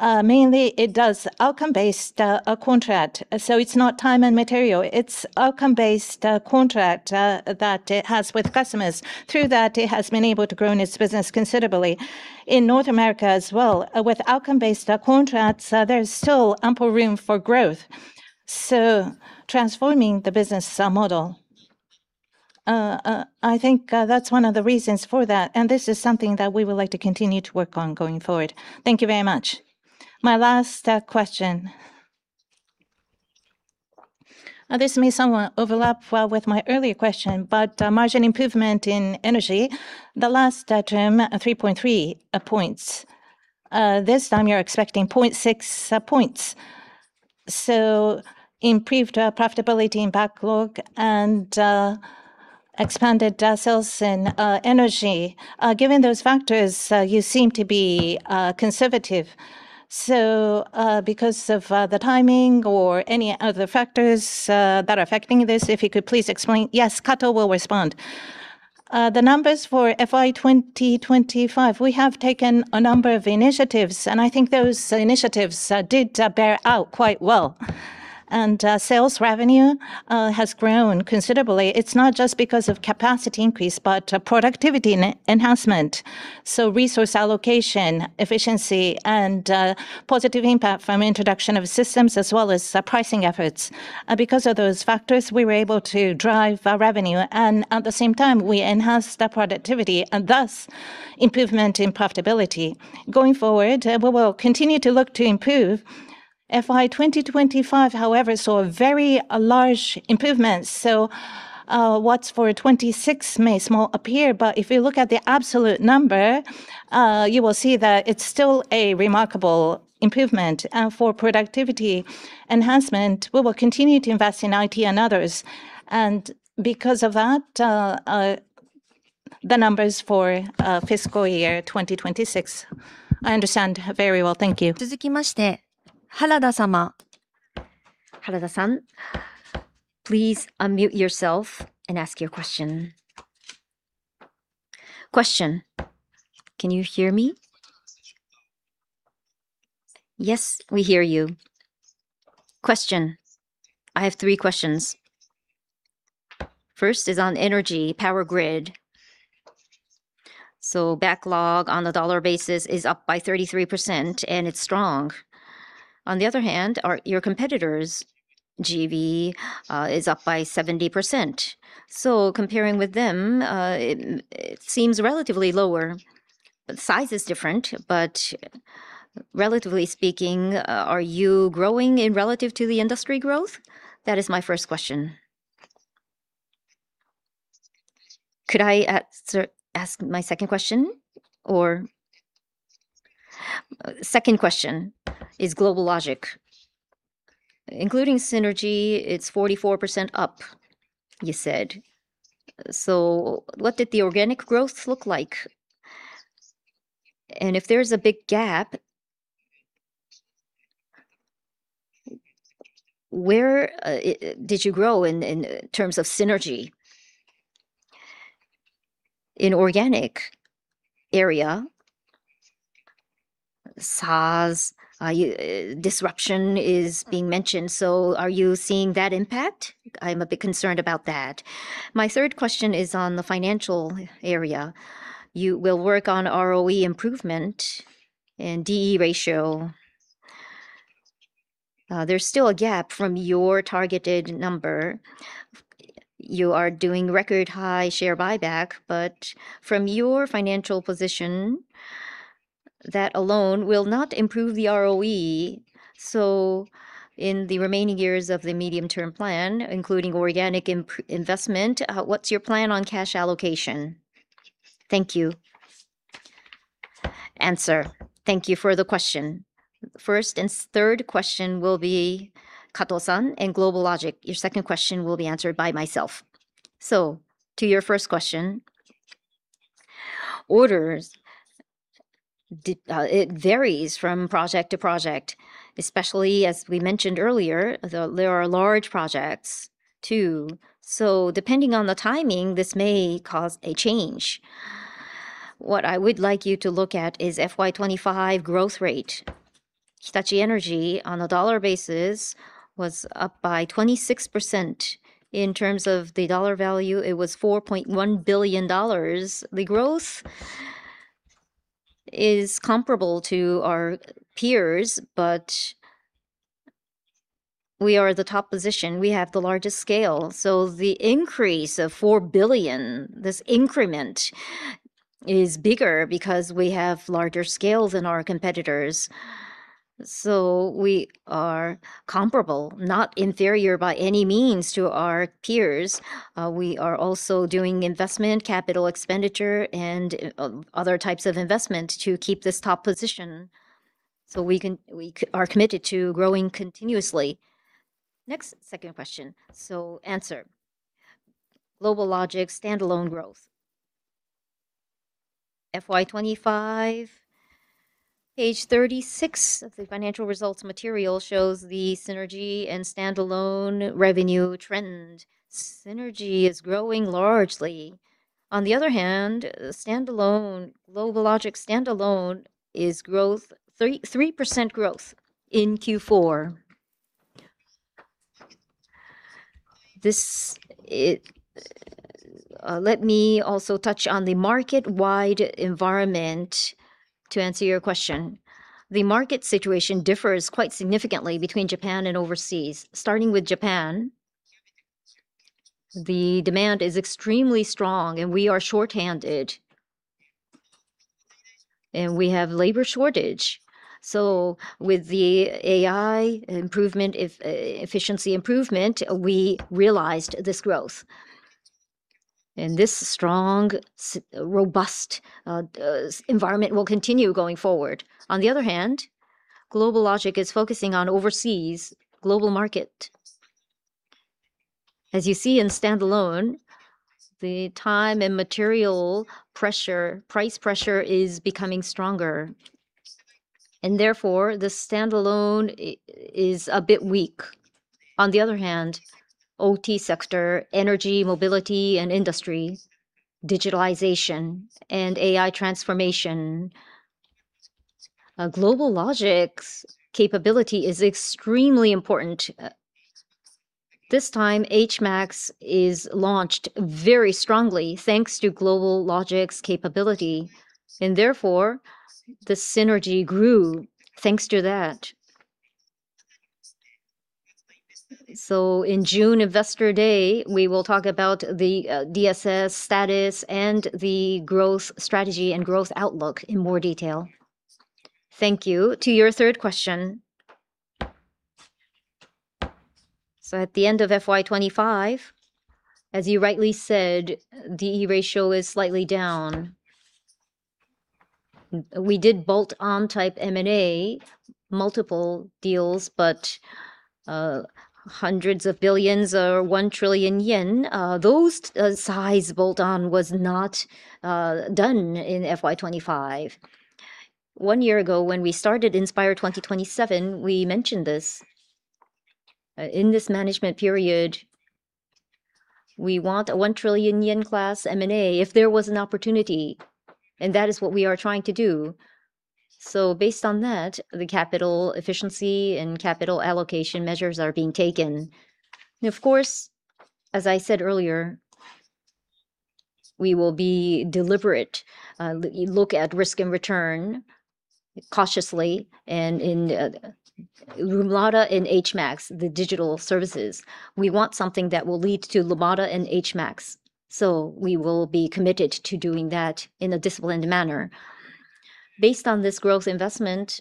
mainly it does outcome-based contract. It's not time and material, it's outcome-based contract that it has with customers. Through that, it has been able to grow its business considerably. In North America as well, with outcome-based contracts, there is still ample room for growth. Transforming the business model, I think, that's one of the reasons for that, and this is something that we would like to continue to work on going forward. Thank you very much. My last question. This may somewhat overlap well with my earlier question, but margin improvement in energy, the last term, 3.3 points. This time you're expecting 0.6 points. Improved profitability in backlog and expanded sales in energy, given those factors, you seem to be conservative. Because of the timing or any other factors that are affecting this, if you could please explain. Yes, Kato will respond. The numbers for FY 2025, we have taken a number of initiatives, and I think those initiatives did bear out quite well. Sales revenue has grown considerably. It's not just because of capacity increase, but productivity enhancement, so resource allocation, efficiency, and positive impact from introduction of systems as well as pricing efforts. Because of those factors, we were able to drive our revenue, and at the same time, we enhanced the productivity and thus improvement in profitability. Going forward, we will continue to look to improve. FY 2025, however, saw very large improvements, so what's for FY 2026 may seem small, but if you look at the absolute number, you will see that it's still a remarkable improvement. For productivity enhancement, we will continue to invest in IT and others. Because of that, the numbers for fiscal year 2026. I understand very well. Thank you. I have three questions. First is on energy power grid. Backlog on a $ basis is up 33%, and it's strong. On the other hand, your competitor's GE Vernova is up 70%. Comparing with them, it seems relatively lower. The size is different, but relatively speaking, are you growing relative to the industry growth? That is my first question. Could I ask my second question? Second question is GlobalLogic. Including synergy, it's 44% up, you said. What did the organic growth look like? If there's a big gap, where did you grow in terms of synergy? In organic area, SaaS disruption is being mentioned, so are you seeing that impact? I'm a bit concerned about that. My third question is on the financial area. You will work on ROE improvement and D/E ratio. There's still a gap from your targeted number. You are doing record high share buyback, but from your financial position, that alone will not improve the ROE. In the remaining years of the medium-term plan, including organic investment, what's your plan on cash allocation? Thank you. Thank you for the question. First and third question will be Kato and GlobalLogic. Your second question will be answered by myself. To your first question, orders, it varies from project to project, especially as we mentioned earlier, there are large projects too. Depending on the timing, this may cause a change. What I would like you to look at is FY 2025 growth rate. Hitachi Energy, on a dollar basis, was up by 26%. In terms of the dollar value, it was $4.1 billion. The growth is comparable to our peers, but we are the top position. We have the largest scale. The increase of $4 billion, this increment is bigger because we have larger scales than our competitors. We are comparable, not inferior by any means to our peers. We are also doing investment, capital expenditure, and other types of investment to keep this top position. We are committed to growing continuously. Next, second question. Answer. GlobalLogic standalone growth. FY 2025, page 36 of the financial results material shows the synergy and standalone revenue trend. Synergy is growing largely. On the other hand, standalone, GlobalLogic standalone is growth, 3% growth in Q4. Let me also touch on the market-wide environment to answer your question. The market situation differs quite significantly between Japan and overseas. Starting with Japan, the demand is extremely strong, and we are shorthanded, and we have labor shortage. With the AI improvement, efficiency improvement, we realized this growth. This strong robust environment will continue going forward. On the other hand, GlobalLogic is focusing on overseas global market. As you see in standalone, the time and materials pressure, price pressure is becoming stronger, and therefore, the standalone is a bit weak. On the other hand, OT sector, energy, mobility, and industry, digitalization, and AI transformation, GlobalLogic's capability is extremely important. This time, HMAX is launched very strongly, thanks to GlobalLogic's capability, and therefore, the synergy grew thanks to that. In June Investor Day, we will talk about the DSS status and the growth strategy and growth outlook in more detail. Thank you. To your third question, at the end of FY 2025, as you rightly said, D/E ratio is slightly down. We did bolt-on type M&A multiple deals, but hundreds of billions or 1 trillion yen, those size bolt-on was not done in FY 2025. One year ago when we started Inspire 2027, we mentioned this. In this management period, we want a 1 trillion yen class M&A if there was an opportunity, and that is what we are trying to do. Based on that, the capital efficiency and capital allocation measures are being taken. Of course, as I said earlier, we will be deliberate, look at risk and return cautiously and in Lumada and HMAX, the digital services. We want something that will lead to Lumada and HMAX, so we will be committed to doing that in a disciplined manner. Based on this growth investment,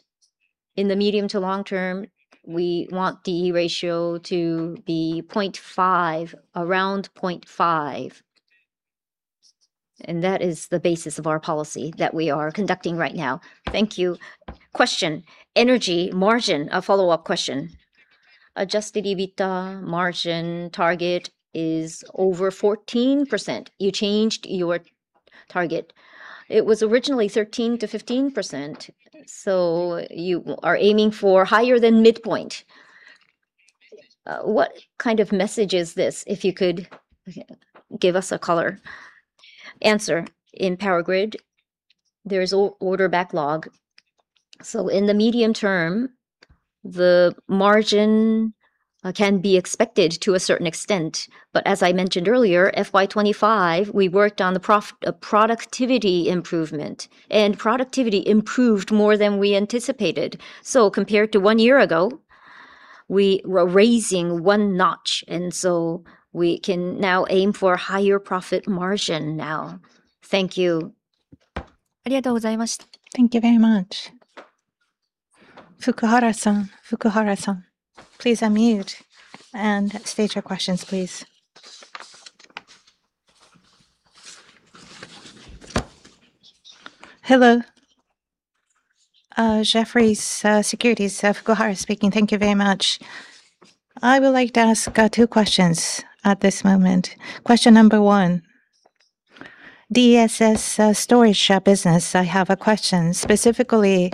in the medium to long term, we want the ratio to be 0.5, around 0.5, and that is the basis of our policy that we are conducting right now. Thank you. Energy margin, a follow-up question. Adjusted EBITDA margin target is over 14%. You changed your target. It was originally 13%-15%, so you are aiming for higher than midpoint. What kind of message is this, if you could give us a color? In Power Grids, there is order backlog. In the medium term, the margin can be expected to a certain extent. As I mentioned earlier, FY 2025, we worked on the productivity improvement, and productivity improved more than we anticipated. Compared to one year ago, we were raising one notch, and we can now aim for higher profit margin now. Thank you. Thank you very much. Fukuhara, please unmute and state your questions, please. Hello. Jefferies Securities, Fukuhara speaking. Thank you very much. I would like to ask two questions at this moment. Question number one, DSS storage share business, I have a question. Specifically,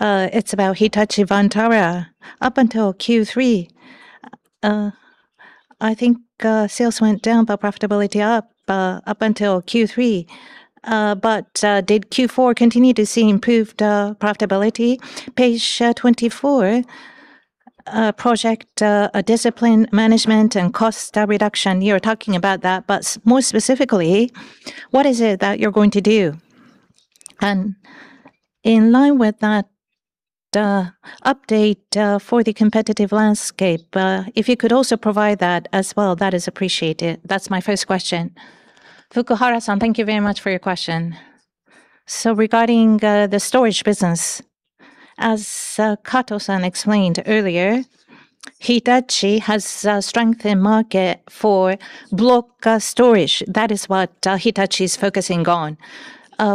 it's about Hitachi Vantara. Up until Q3, I think, sales went down, but profitability up until Q3. Did Q4 continue to see improved profitability? Page 24, project discipline management and cost reduction, you're talking about that. More specifically, what is it that you're going to do? In line with that, update for the competitive landscape, if you could also provide that as well, that is appreciated. That's my first question. Fukuhara, thank you very much for your question. Regarding the storage business, as Kato explained earlier, Hitachi has strength in market for block storage. That is what Hitachi is focusing on.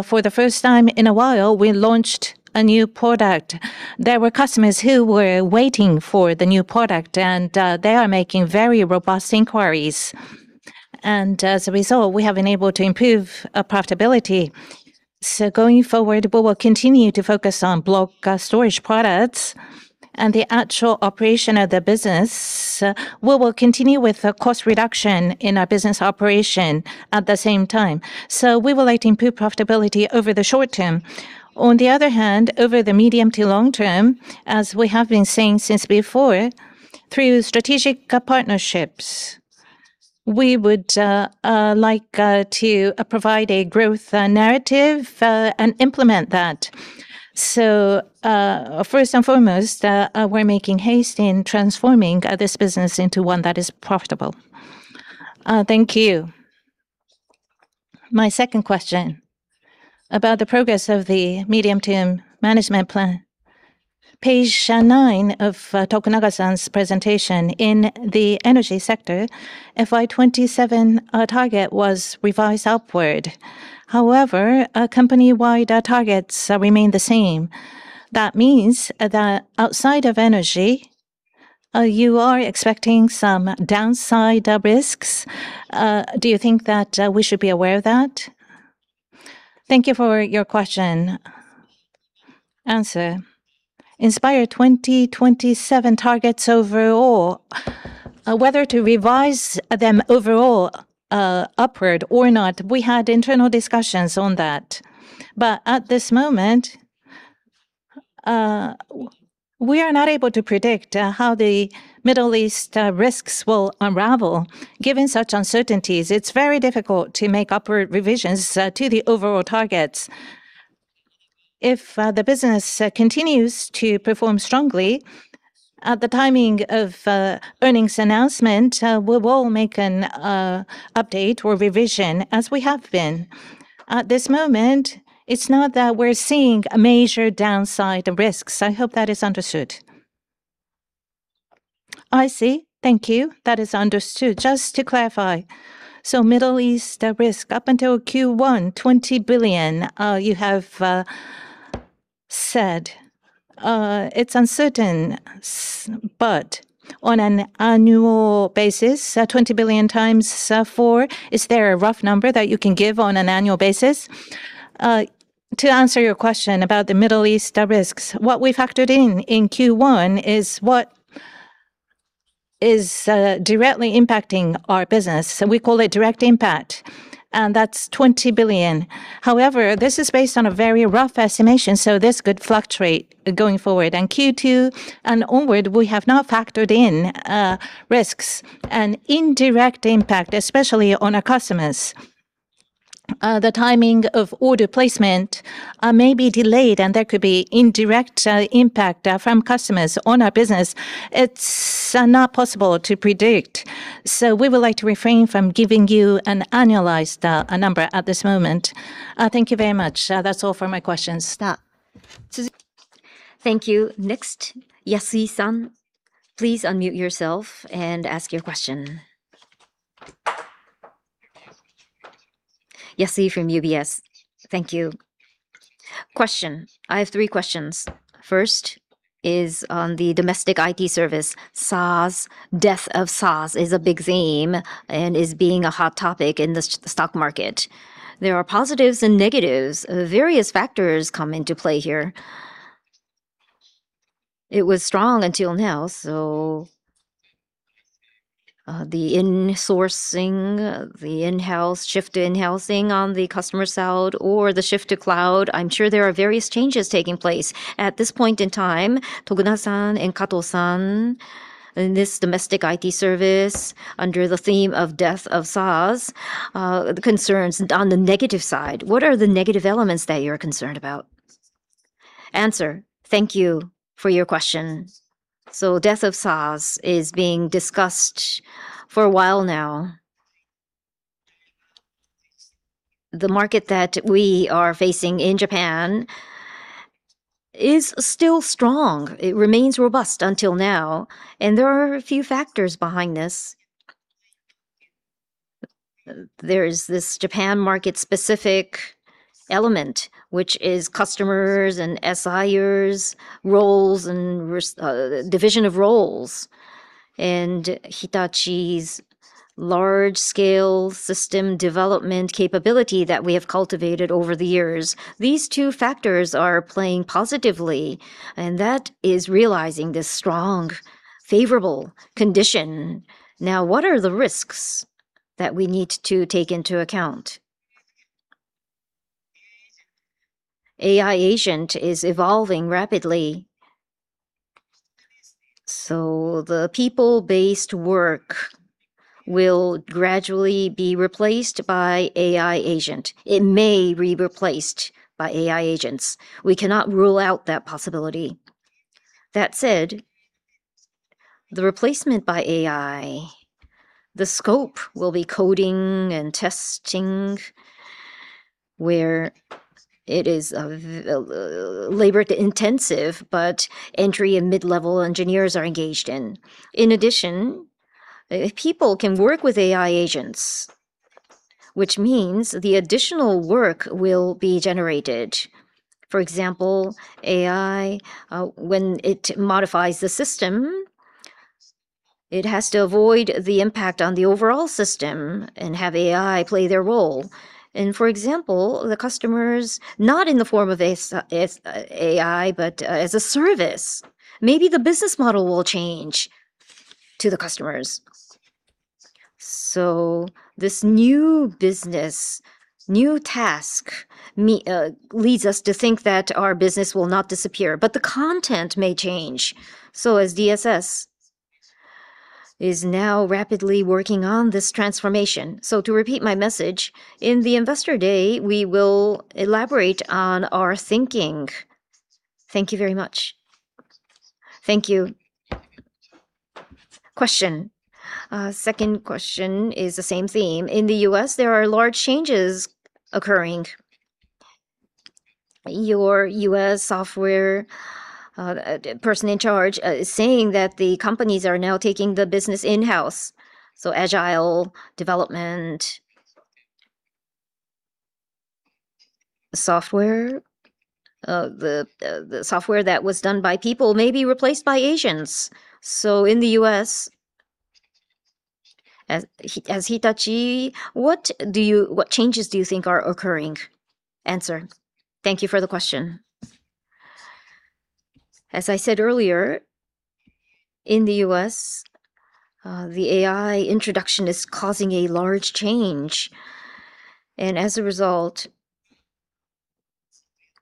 For the first time in a while, we launched a new product. There were customers who were waiting for the new product, and they are making very robust inquiries. As a result, we have been able to improve profitability. Going forward, we will continue to focus on block storage products and the actual operation of the business. We will continue with a cost reduction in our business operation at the same time. We will like to improve profitability over the short term. On the other hand, over the medium to long term, as we have been saying since before, through strategic partnerships, we would like to provide a growth narrative and implement that. First and foremost, we're making haste in transforming this business into one that is profitable. Thank you. My second question, about the progress of the medium-term management plan. Page nine of Tokunaga's presentation. In the energy sector, FY 2027 target was revised upward. However, company-wide targets remain the same. That means that outside of energy, you are expecting some downside risks. Do you think that we should be aware of that? Thank you for your question. Answer. Inspire 2027 targets overall, whether to revise them overall, upward or not, we had internal discussions on that. At this moment, we are not able to predict how the Middle East risks will unravel. Given such uncertainties, it's very difficult to make upward revisions to the overall targets. If the business continues to perform strongly at the timing of earnings announcement, we will make an update or revision as we have been. At this moment, it's not that we're seeing a major downside risks. I hope that is understood. I see. Thank you. That is understood. Just to clarify, Middle East risk up until Q1, JPY 20 billion, you have said. It's uncertain but on an annual basis, 20 billion times 4, is there a rough number that you can give on an annual basis? To answer your question about the Middle East risks, what we factored in in Q1 is what is directly impacting our business, so we call it direct impact, and that's 20 billion. However, this is based on a very rough estimation, so this could fluctuate going forward. In Q2 and onward, we have not factored in risks and indirect impact, especially on our customers. The timing of order placement may be delayed, and there could be indirect impact from customers on our business. It's not possible to predict, so we would like to refrain from giving you an annualized number at this moment. Thank you very much. That's all for my questions. Thank you. Next, Yasui. Please unmute yourself and ask your question. Yasui from UBS. Thank you. I have three questions. First is on the domestic IT service. SaaS, death of SaaS is a big theme and is being a hot topic in the stock market. There are positives and negatives. Various factors come into play here. It was strong until now, the insourcing, the in-house shift, in-housing on the customer side or the shift to cloud. I'm sure there are various changes taking place. At this point in time, Tokunaga and Kato in this domestic IT service under the theme of death of SaaS, the concerns on the negative side, what are the negative elements that you're concerned about? Thank you for your question. Death of SaaS is being discussed for a while now. The market that we are facing in Japan is still strong. It remains robust until now, and there are a few factors behind this. There is this Japan market specific element, which is customers and SIers roles and responsibilities division of roles, and Hitachi's large scale system development capability that we have cultivated over the years. These two factors are playing positively, and that is realizing this strong, favorable condition. Now, what are the risks that we need to take into account? AI agent is evolving rapidly, so the people-based work will gradually be replaced by AI agent. It may be replaced by AI agents. We cannot rule out that possibility. That said, the replacement by AI, the scope will be coding and testing where it is, labor intensive, but entry and mid-level engineers are engaged in. In addition, people can work with AI agents, which means the additional work will be generated. For example, AI, when it modifies the system, it has to avoid the impact on the overall system and have AI play their role. For example, the customers, not in the form of SaaS, AI, but, as a service, maybe the business model will change to the customers. This new business, new tasks may lead us to think that our business will not disappear, but the content may change. As DSS is now rapidly working on this transformation. To repeat my message, in the Investor Day, we will elaborate on our thinking. Thank you very much. Thank you. Question. Second question is the same theme. In the U.S., there are large changes occurring. Your US software person in charge is saying that the companies are now taking the business in-house, so agile development software. The software that was done by people may be replaced by agents. In the US, as Hitachi, what changes do you think are occurring? Answer. Thank you for the question. As I said earlier, in the US, the AI introduction is causing a large change, and as a result,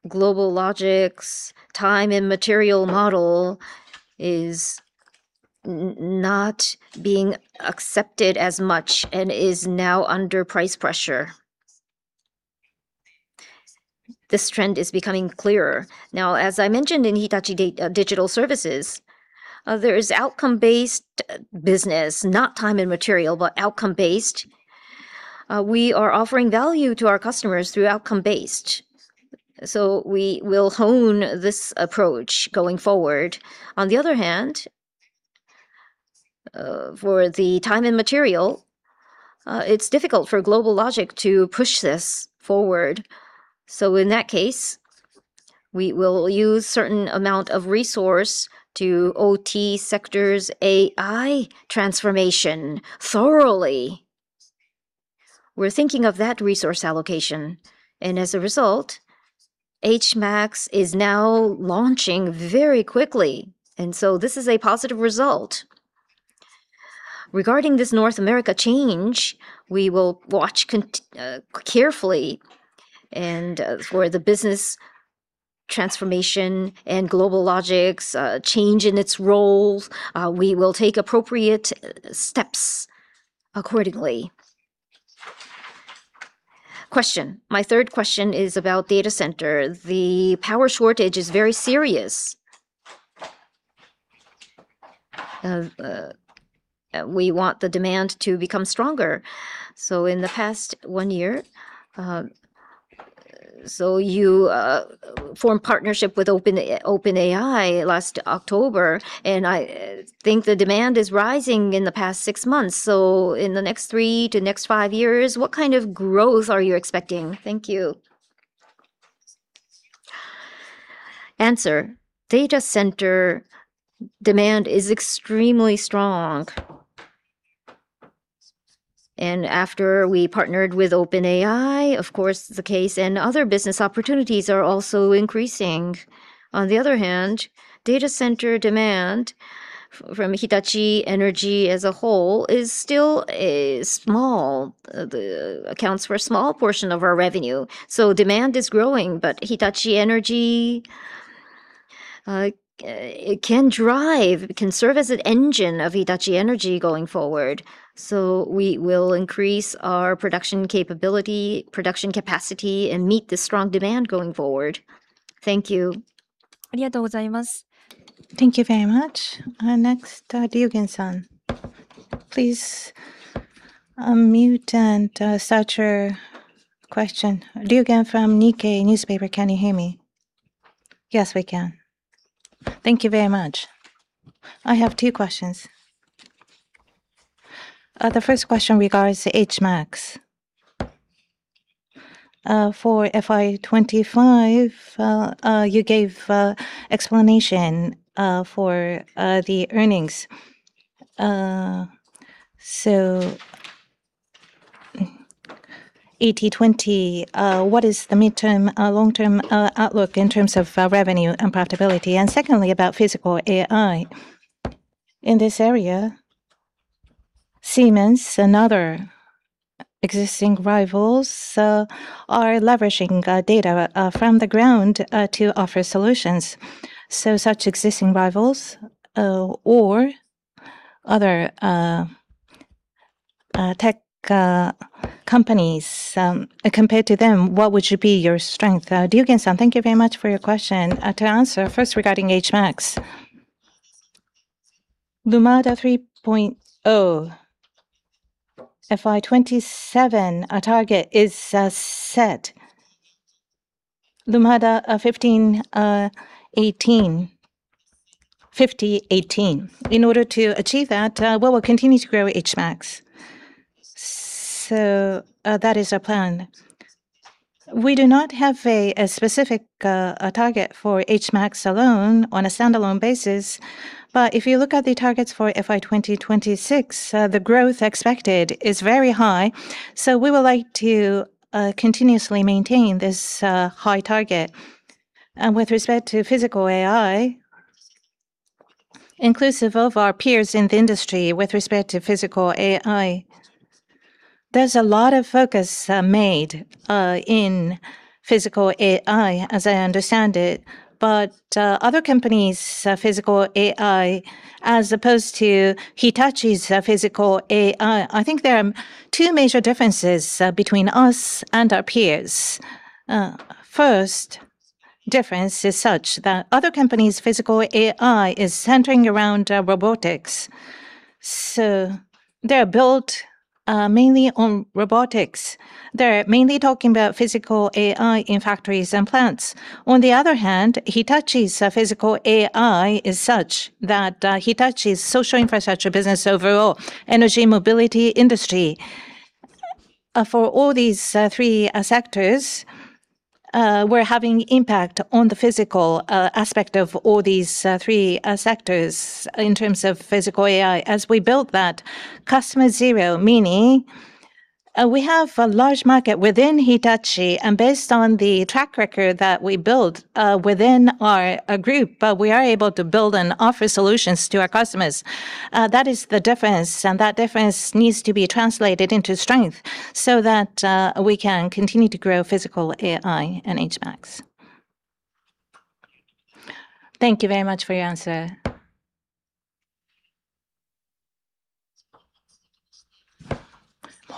GlobalLogic's time and materials model is not being accepted as much and is now under price pressure. This trend is becoming clearer. Now, as I mentioned in Hitachi Digital Services, there is outcome-based business, not time and materials, but outcome-based. We are offering value to our customers through outcome-based. We will hone this approach going forward. On the other hand, for the time and material, it's difficult for GlobalLogic to push this forward. In that case, we will use certain amount of resource to OT sector's AI transformation thoroughly. We're thinking of that resource allocation, and as a result, HMAX is now launching very quickly. This is a positive result. Regarding this North America change, we will watch carefully and, for the business transformation and GlobalLogic's, change in its roles, we will take appropriate steps accordingly. Question. My third question is about data center. The power shortage is very serious. We want the demand to become stronger. In the past 1 year, so you formed partnership with OpenAI last October, and I think the demand is rising in the past 6 months. In the next 3-5 years, what kind of growth are you expecting? Thank you. Data center demand is extremely strong. After we partnered with OpenAI, of course, the case and other business opportunities are also increasing. On the other hand, data center demand from Hitachi Energy as a whole is still small. It accounts for a small portion of our revenue. Demand is growing, but Hitachi Energy it can drive it can serve as an engine of Hitachi Energy going forward. We will increase our production capability, production capacity, and meet the strong demand going forward. Thank you. Thank you very much. Next, Ryugen. Please unmute and state your question. Ryugen from Nikkei newspaper. Can you hear me? Yes, we can. Thank you very much. I have two questions. The first question regards to HMAX. For FY 2025, you gave explanation for the earnings. So 80-20, what is the midterm, long-term outlook in terms of revenue and profitability? Secondly, about physical AI. In this area, Siemens and other existing rivals are leveraging data from the ground to offer solutions. Such existing rivals or other tech companies, compared to them, what should be your strength? Ryugen, thank you very much for your question. To answer, first regarding HMAX. Lumada 3.0, FY 2027, our target is set. Lumada, 15, 18. 50 18. In order to achieve that, we'll continue to grow HMAX. That is our plan. We do not have a specific target for HMAX alone on a standalone basis, but if you look at the targets for FY 2026, the growth expected is very high, so we would like to continuously maintain this high target. With respect to Physical AI, inclusive of our peers in the industry with respect to Physical AI, there's a lot of focus made in Physical AI, as I understand it. Other companies' Physical AI as opposed to Hitachi's Physical AI, I think there are two major differences between us and our peers. First difference is such that other companies' Physical AI is centering around robotics. They're built mainly on robotics. They're mainly talking about Physical AI in factories and plants. On the other hand, Hitachi's Physical AI is such that, Hitachi's social infrastructure business overall, energy, mobility, industry, for all these three sectors, we're having impact on the physical aspect of all these three sectors in terms of Physical AI. As we build that Customer Zero, meaning, we have a large market within Hitachi, and based on the track record that we build within our group, we are able to build and offer solutions to our customers. That is the difference, and that difference needs to be translated into strength so that we can continue to grow Physical AI and HMAX. Thank you very much for your answer.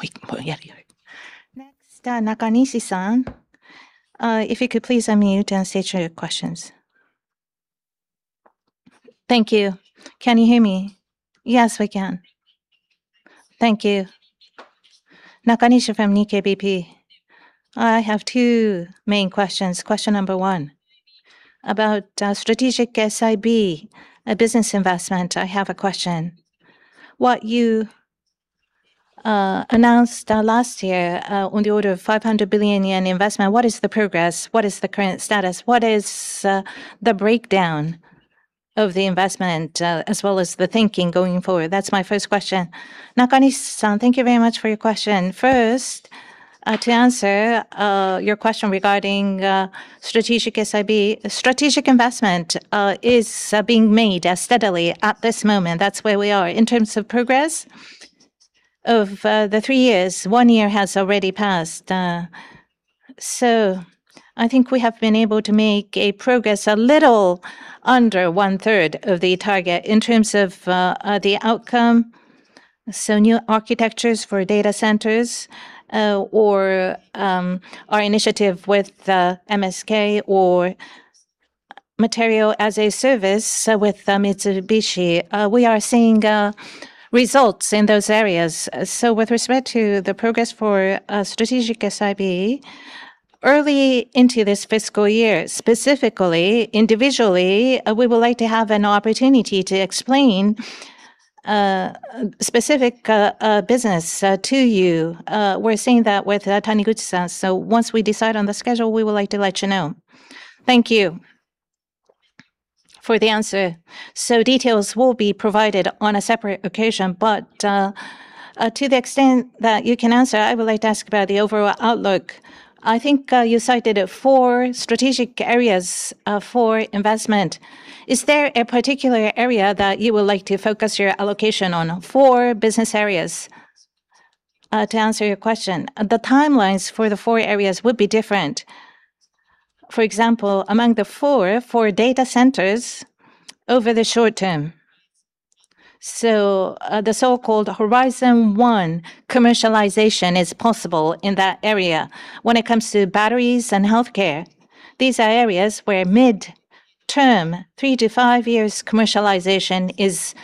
Next, Nakanishi. If you could please unmute and state your questions. Thank you. Can you hear me? Yes, we can. Thank you. Nakanishi from Nikkei BP. I have two main questions. Question number one, about strategic SIB business investment, I have a question. What you announced last year on the order of 500 billion yen investment, what is the progress? What is the current status? What is the breakdown of the investment as well as the thinking going forward? That's my first question. Nakanishi, thank you very much for your question. First, to answer your question regarding strategic SIB, strategic investment is being made steadily at this moment. That's where we are. In terms of progress of the 3 years, one year has already passed. So I think we have been able to make a progress a little under one-third of the target. In terms of the outcome, new architectures for data centers or our initiative with the MaaS or Mobility-as-a-Service with Mitsubishi, we are seeing results in those areas. With respect to the progress for a strategic SIB, early into this fiscal year, specifically, individually, we would like to have an opportunity to explain specific business to you. We're seeing that with Taniguchi. Once we decide on the schedule, we would like to let you know. Thank you for the answer. Details will be provided on a separate occasion, but to the extent that you can answer, I would like to ask about the overall outlook. I think you cited four strategic areas for investment. Is there a particular area that you would like to focus your allocation on? Four business areas. To answer your question, the timelines for the four areas would be different. For example, among the four, for data centers over the short term, the so-called Horizon One commercialization is possible in that area. When it comes to batteries and healthcare, these are areas where mid-term, 3-5 years commercialization is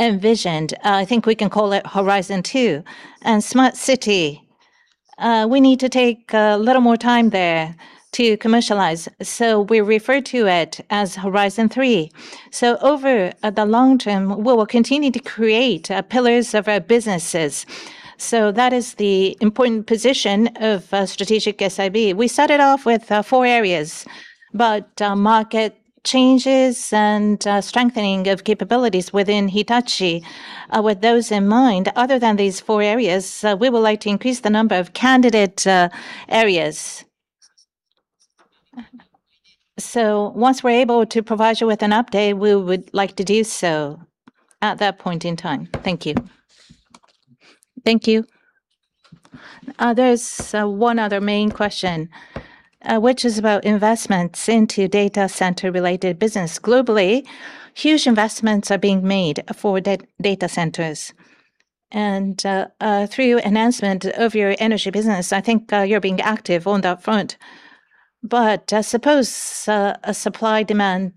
envisioned. I think we can call it Horizon Two. Smart city, we need to take a little more time there to commercialize, so we refer to it as Horizon Three. Over the long term, we will continue to create pillars of our businesses. That is the important position of strategic SIB. We started off with four areas, but market changes and strengthening of capabilities within Hitachi, with those in mind, other than these four areas, we would like to increase the number of candidate areas. Once we're able to provide you with an update, we would like to do so at that point in time. Thank you. Thank you There's one other main question, which is about investments into data center-related business. Globally, huge investments are being made for data centers. Through enhancement of your energy business, I think you're being active on that front. Suppose a supply and demand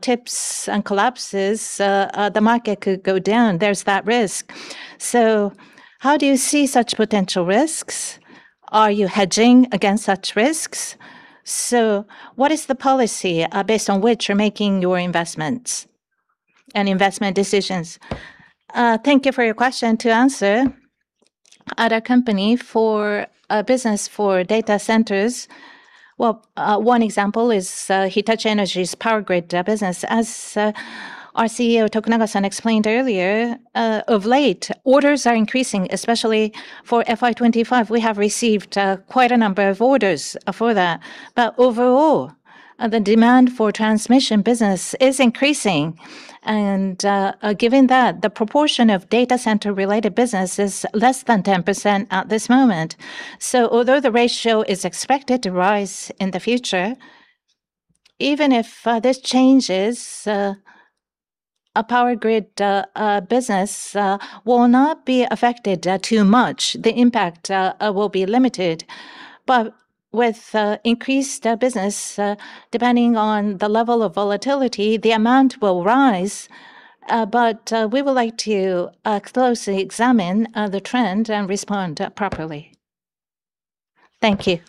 tilts and collapses, the market could go down. There's that risk. How do you see such potential risks? Are you hedging against such risks? What is the policy based on which you're making your investments and investment decisions? Thank you for your question. To answer, at our company, for a business for data centers, one example is, Hitachi Energy's power grid business. As our CEO Tokunaga explained earlier, of late, orders are increasing, especially for FY 2025. We have received quite a number of orders for that. Overall, the demand for transmission business is increasing. Given that, the proportion of data center-related business is less than 10% at this moment. Although the ratio is expected to rise in the future, even if this changes, our power grid business will not be affected too much. The impact will be limited. With increased business depending on the level of volatility, the amount will rise. We would like to closely examine the trend and respond properly. Thank you.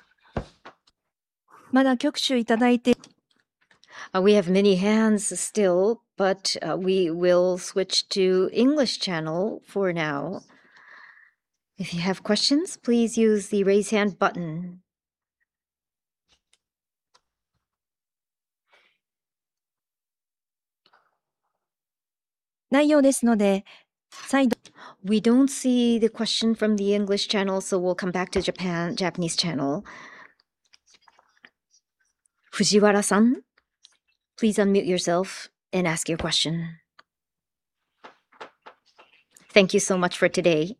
We have many hands still, but we will switch to English channel for now. If you have questions, please use the raise hand button. We don't see the question from the English channel, so we'll come back to Japan, Japanese channel. Fujiwara, please unmute yourself and ask your question. Thank you so much for today.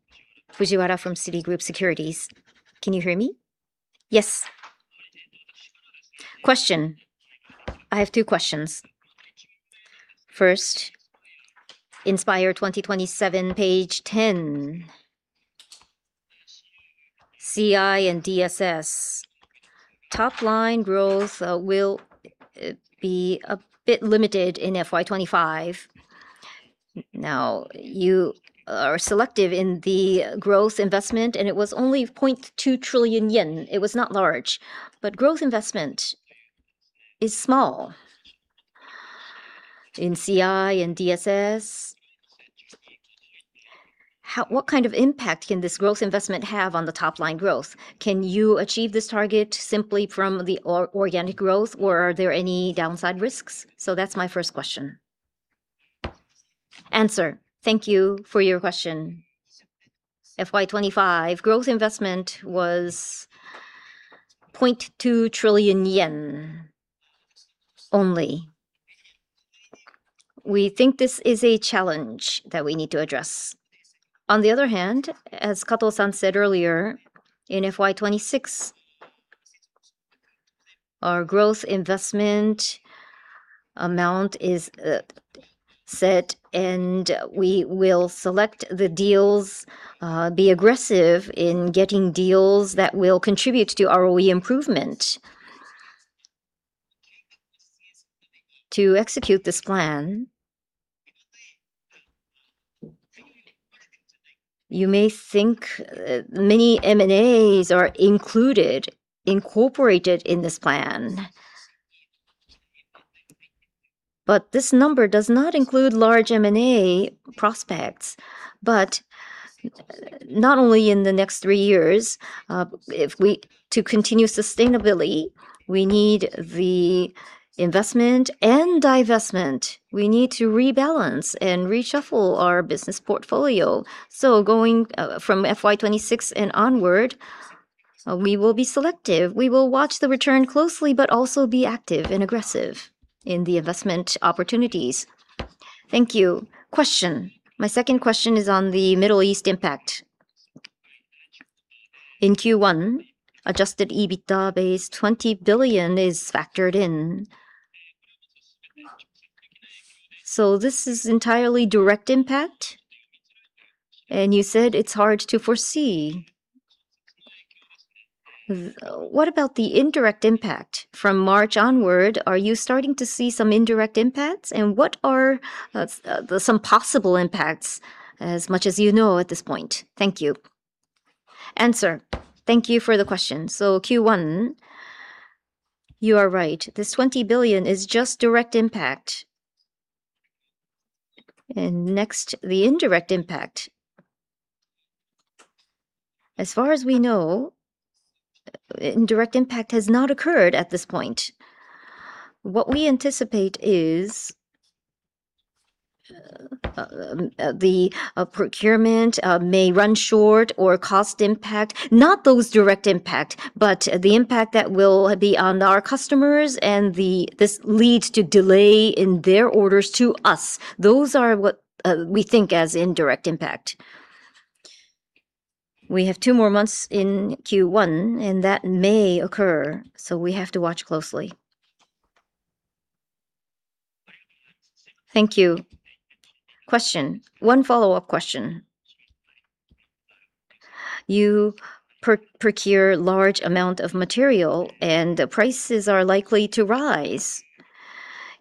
Fujiwara from Citigroup Securities. Can you hear me? Yes. Question. I have two questions. First, Inspire 2027, page 10. CI and DSS top line growth will be a bit limited in FY 2025. Now, you are selective in the growth investment, and it was only 0.2 trillion yen. It was not large. Growth investment is small in CI and DSS. What kind of impact can this growth investment have on the top line growth? Can you achieve this target simply from the organic growth, or are there any downside risks? So that's my first question. Answer. Thank you for your question. FY 2025 growth investment was JPY 0.2 trillion only. We think this is a challenge that we need to address. On the other hand, as Kato said earlier, in FY 2026 our growth investment amount is set and we will select the deals, be aggressive in getting deals that will contribute to ROE improvement. To execute this plan, you may think many M&As are included, incorporated in this plan, but this number does not include large M&A prospects. Not only in the next 3 years, to continue sustainability, we need the investment and divestment. We need to rebalance and reshuffle our business portfolio. Going from FY 2026 and onward, we will be selective. We will watch the return closely, but also be active and aggressive in the investment opportunities. Thank you. Question. My second question is on the Middle East impact. In Q1, Adjusted EBITDA base 20 billion is factored in. This is entirely direct impact, and you said it's hard to foresee. What about the indirect impact? From March onward, are you starting to see some indirect impacts, and what are some possible impacts as much as you know at this point? Thank you. Thank you for the question. Q1, you are right. This 20 billion is just direct impact. Next, the indirect impact. As far as we know, indirect impact has not occurred at this point. What we anticipate is the procurement may run short or cost impact, not those direct impact, but the impact that will be on our customers and this leads to delay in their orders to us. Those are what we think as indirect impact. We have two more months in Q1, and that may occur, so we have to watch closely. Thank you. One follow-up question. You procure large amount of material, and prices are likely to rise.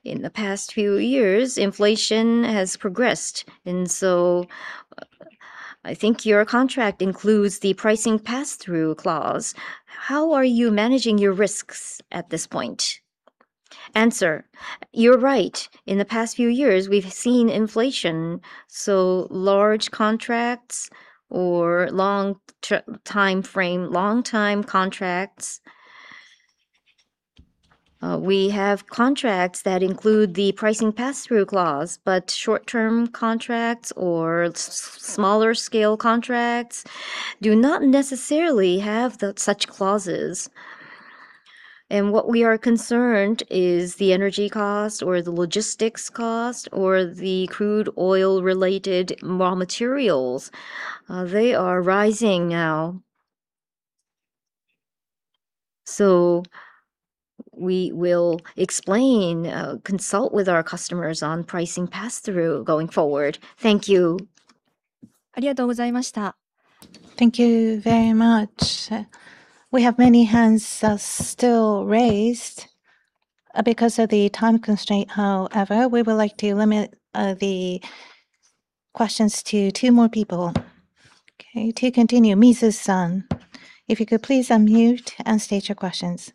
In the past few years, inflation has progressed, and so I think your contract includes the pricing pass-through clause. How are you managing your risks at this point? You're right. In the past few years, we've seen inflation, so large contracts or long timeframe, long time contracts, we have contracts that include the pricing pass-through clause. But short-term contracts or smaller scale contracts do not necessarily have such clauses. What we are concerned is the energy cost or the logistics cost or the crude oil related raw materials. They are rising now. We will explain, consult with our customers on pricing pass-through going forward. Thank you. Thank you very much. We have many hands still raised. Because of the time constraint, however, we would like to limit the questions to two more people. Okay, to continue, Shimizu, if you could please unmute and state your questions.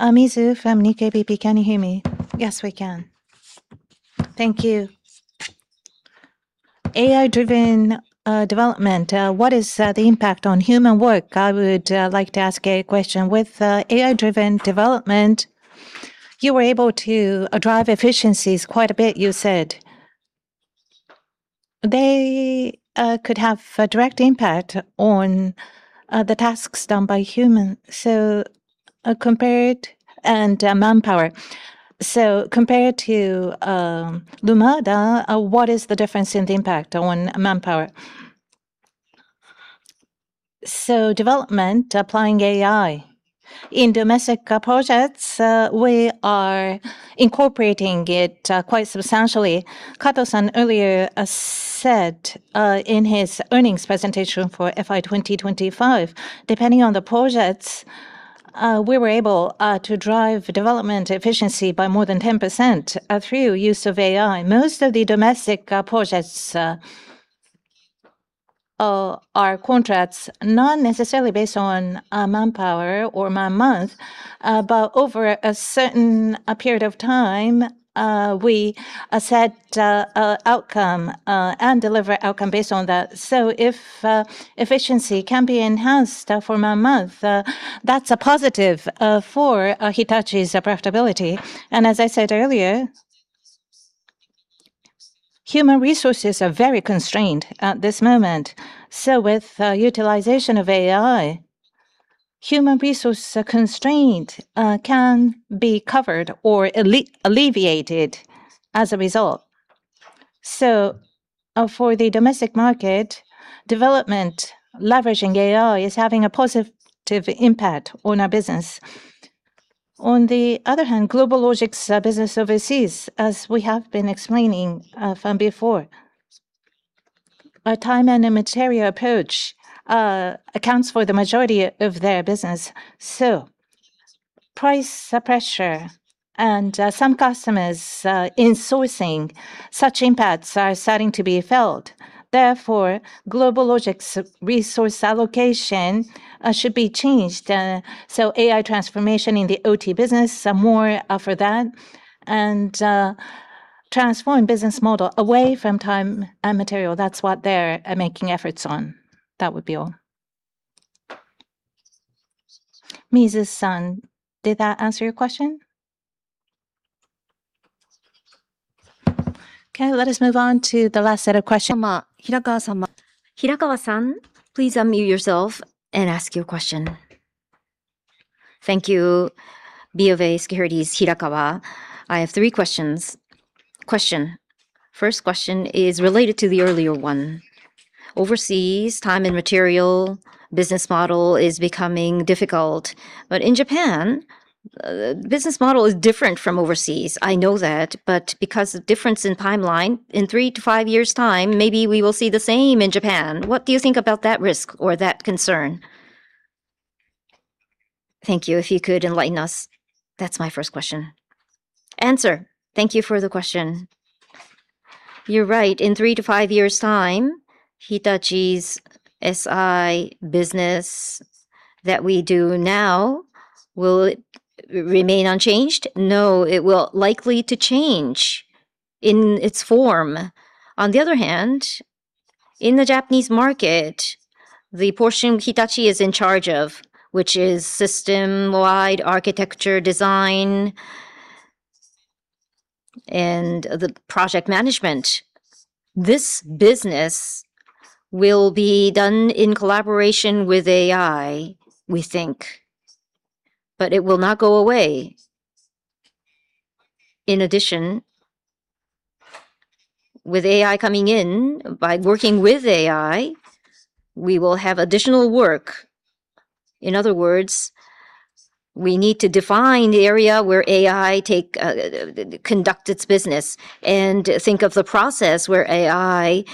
I'm Shimizu from Nikkei BP. Can you hear me? Yes, we can. Thank you. AI-driven development, what is the impact on human work? I would like to ask a question. With AI-driven development, you were able to drive efficiencies quite a bit, you said. They could have a direct impact on the tasks done by human and manpower. Compared to Lumada, what is the difference in the impact on manpower? Development applying AI in domestic projects, we are incorporating it quite substantially. Kato earlier said in his earnings presentation for FY 2025, depending on the projects, we were able to drive development efficiency by more than 10% through use of AI. Most of the domestic projects are contracts not necessarily based on manpower or man month, but over a certain period of time, we set outcome and deliver outcome based on that. If efficiency can be enhanced for man month, that's a positive for Hitachi's profitability. As I said earlier, human resources are very constrained at this moment. With utilization of AI, human resource constraint can be covered or alleviated as a result. For the domestic market development, leveraging AI is having a positive impact on our business. On the other hand, GlobalLogic's business overseas, as we have been explaining from before, a time and materials approach accounts for the majority of their business. Price pressure and some customers insourcing such impacts are starting to be felt. Therefore, GlobalLogic's resource allocation should be changed. AI transformation in the OT business, some more for that and transform business model away from time and materials. That's what they're making efforts on. That would be all. Takeshi Tanaka, did that answer your question? Okay, let us move on to the last set of questions. Hirakawa, please unmute yourself and ask your question. Thank you. BofA Securities, Hirakawa. I have three questions. Question. First question is related to the earlier one. Overseas time and materials business model is becoming difficult. In Japan, business model is different from overseas. I know that, but because difference in timeline, in 3-5 years' time, maybe we will see the same in Japan. What do you think about that risk or that concern? Thank you. If you could enlighten us, that's my first question. Answer. Thank you for the question. You're right. In 3-5 years' time, Hitachi's SI business that we do now, will it remain unchanged? No, it will likely to change in its form. On the other hand, in the Japanese market, the portion Hitachi is in charge of, which is system-wide architecture design and the project management, this business will be done in collaboration with AI, we think. It will not go away. In addition, with AI coming in, by working with AI, we will have additional work. In other words, we need to define the area where AI take conduct its business and think of the process where AI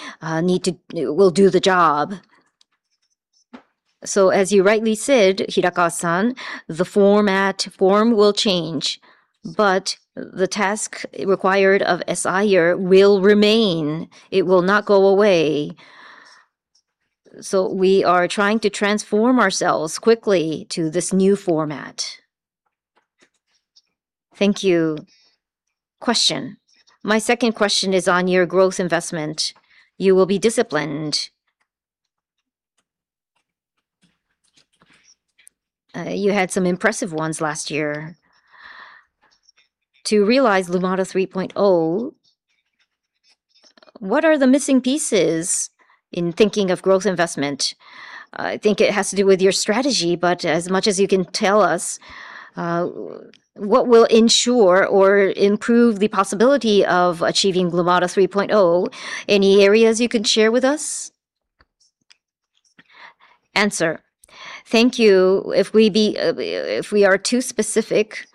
will do the job. As you rightly said, Hirakawa, the form will change, but the task required of SIer will remain. It will not go away. We are trying to transform ourselves quickly to this new format. Thank you. Question. My second question is on your growth investment. You will be disciplined. You had some impressive ones last year. To realize Lumada 3.0, what are the missing pieces in thinking of growth investment? I think it has to do with your strategy, but as much as you can tell us, what will ensure or improve the possibility of achieving Lumada 3.0, any areas you can share with us? Thank you. If we are too specific,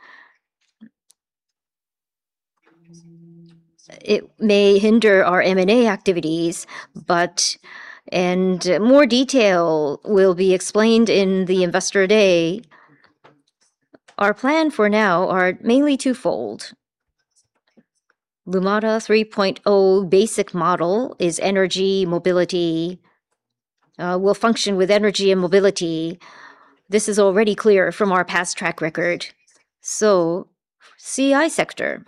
it may hinder our M&A activities, but more detail will be explained in the Investor Day. Our plan for now are mainly twofold. Lumada 3.0 basic model is energy, mobility, will function with energy and mobility. This is already clear from our past track record. CI sector,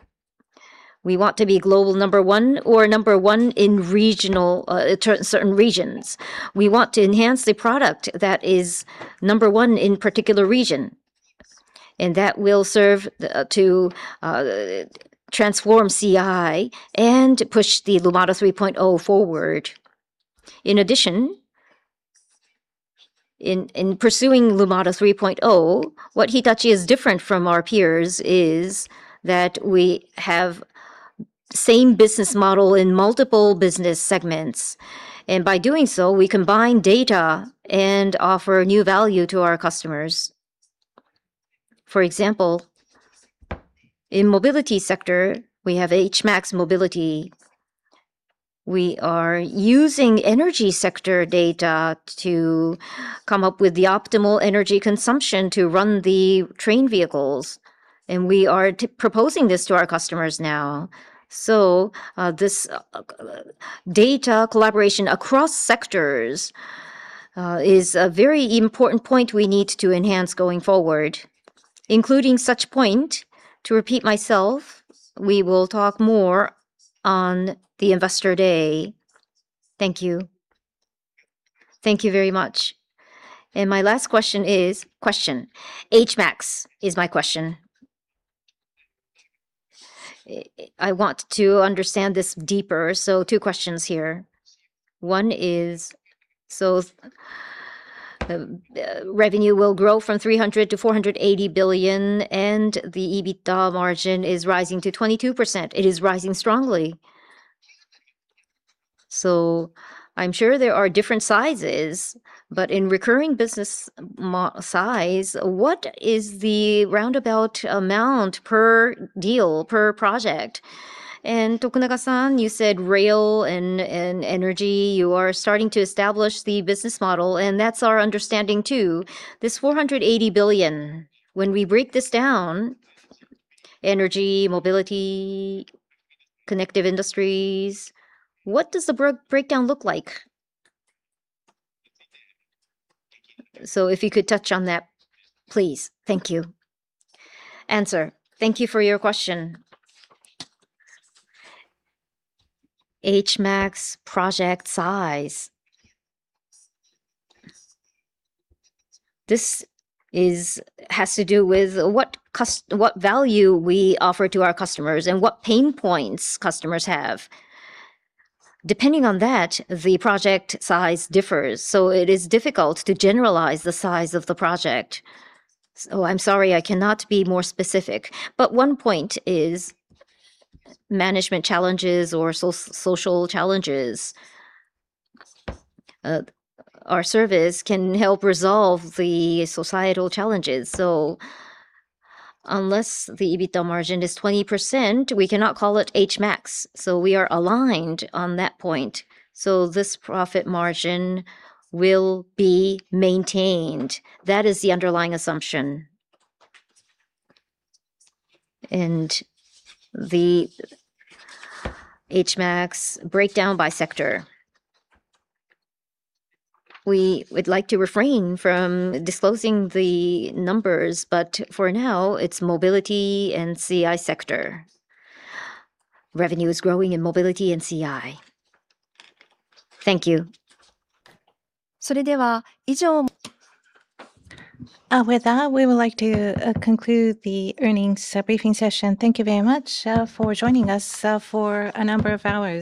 we want to be global number one or number one in regional, certain regions. We want to enhance the product that is number one in particular region, and that will serve to transform CI and push the Lumada 3.0 forward. In addition, in pursuing Lumada 3.0, what Hitachi is different from our peers is that we have Same business model in multiple business segments. By doing so, we combine data and offer new value to our customers. For example, in mobility sector, we have HMAX Mobility. We are using energy sector data to come up with the optimal energy consumption to run the train vehicles, and we are proposing this to our customers now. This data collaboration across sectors is a very important point we need to enhance going forward. Including such point, to repeat myself, we will talk more on the Investor Day. Thank you. Thank you very much. My last question is Question. HMAX is my question. I want to understand this deeper, so two questions here. One is, so the revenue will grow from 300 billion to 480 billion, and the EBITDA margin is rising to 22%. It is rising strongly. I'm sure there are different sizes, but in recurring business size, what is the roundabout amount per deal, per project? Tokunaga, you said rail and energy, you are starting to establish the business model, and that's our understanding too. This 480 billion, when we break this down, energy, mobility, connective industries, what does the breakdown look like? If you could touch on that, please. Thank you. Thank you for your question. HMAX project size. This has to do with what value we offer to our customers and what pain points customers have. Depending on that, the project size differs, so it is difficult to generalize the size of the project. I'm sorry I cannot be more specific. But one point is management challenges or social challenges. Our service can help resolve the societal challenges. Unless the EBITDA margin is 20%, we cannot call it HMAX, so we are aligned on that point. This profit margin will be maintained. That is the underlying assumption. The HMAX breakdown by sector. We would like to refrain from disclosing the numbers, but for now, it's mobility and CI sector. Revenue is growing in mobility and CI. Thank you. With that, we would like to conclude the earnings briefing session. Thank you very much for joining us for a number of hours.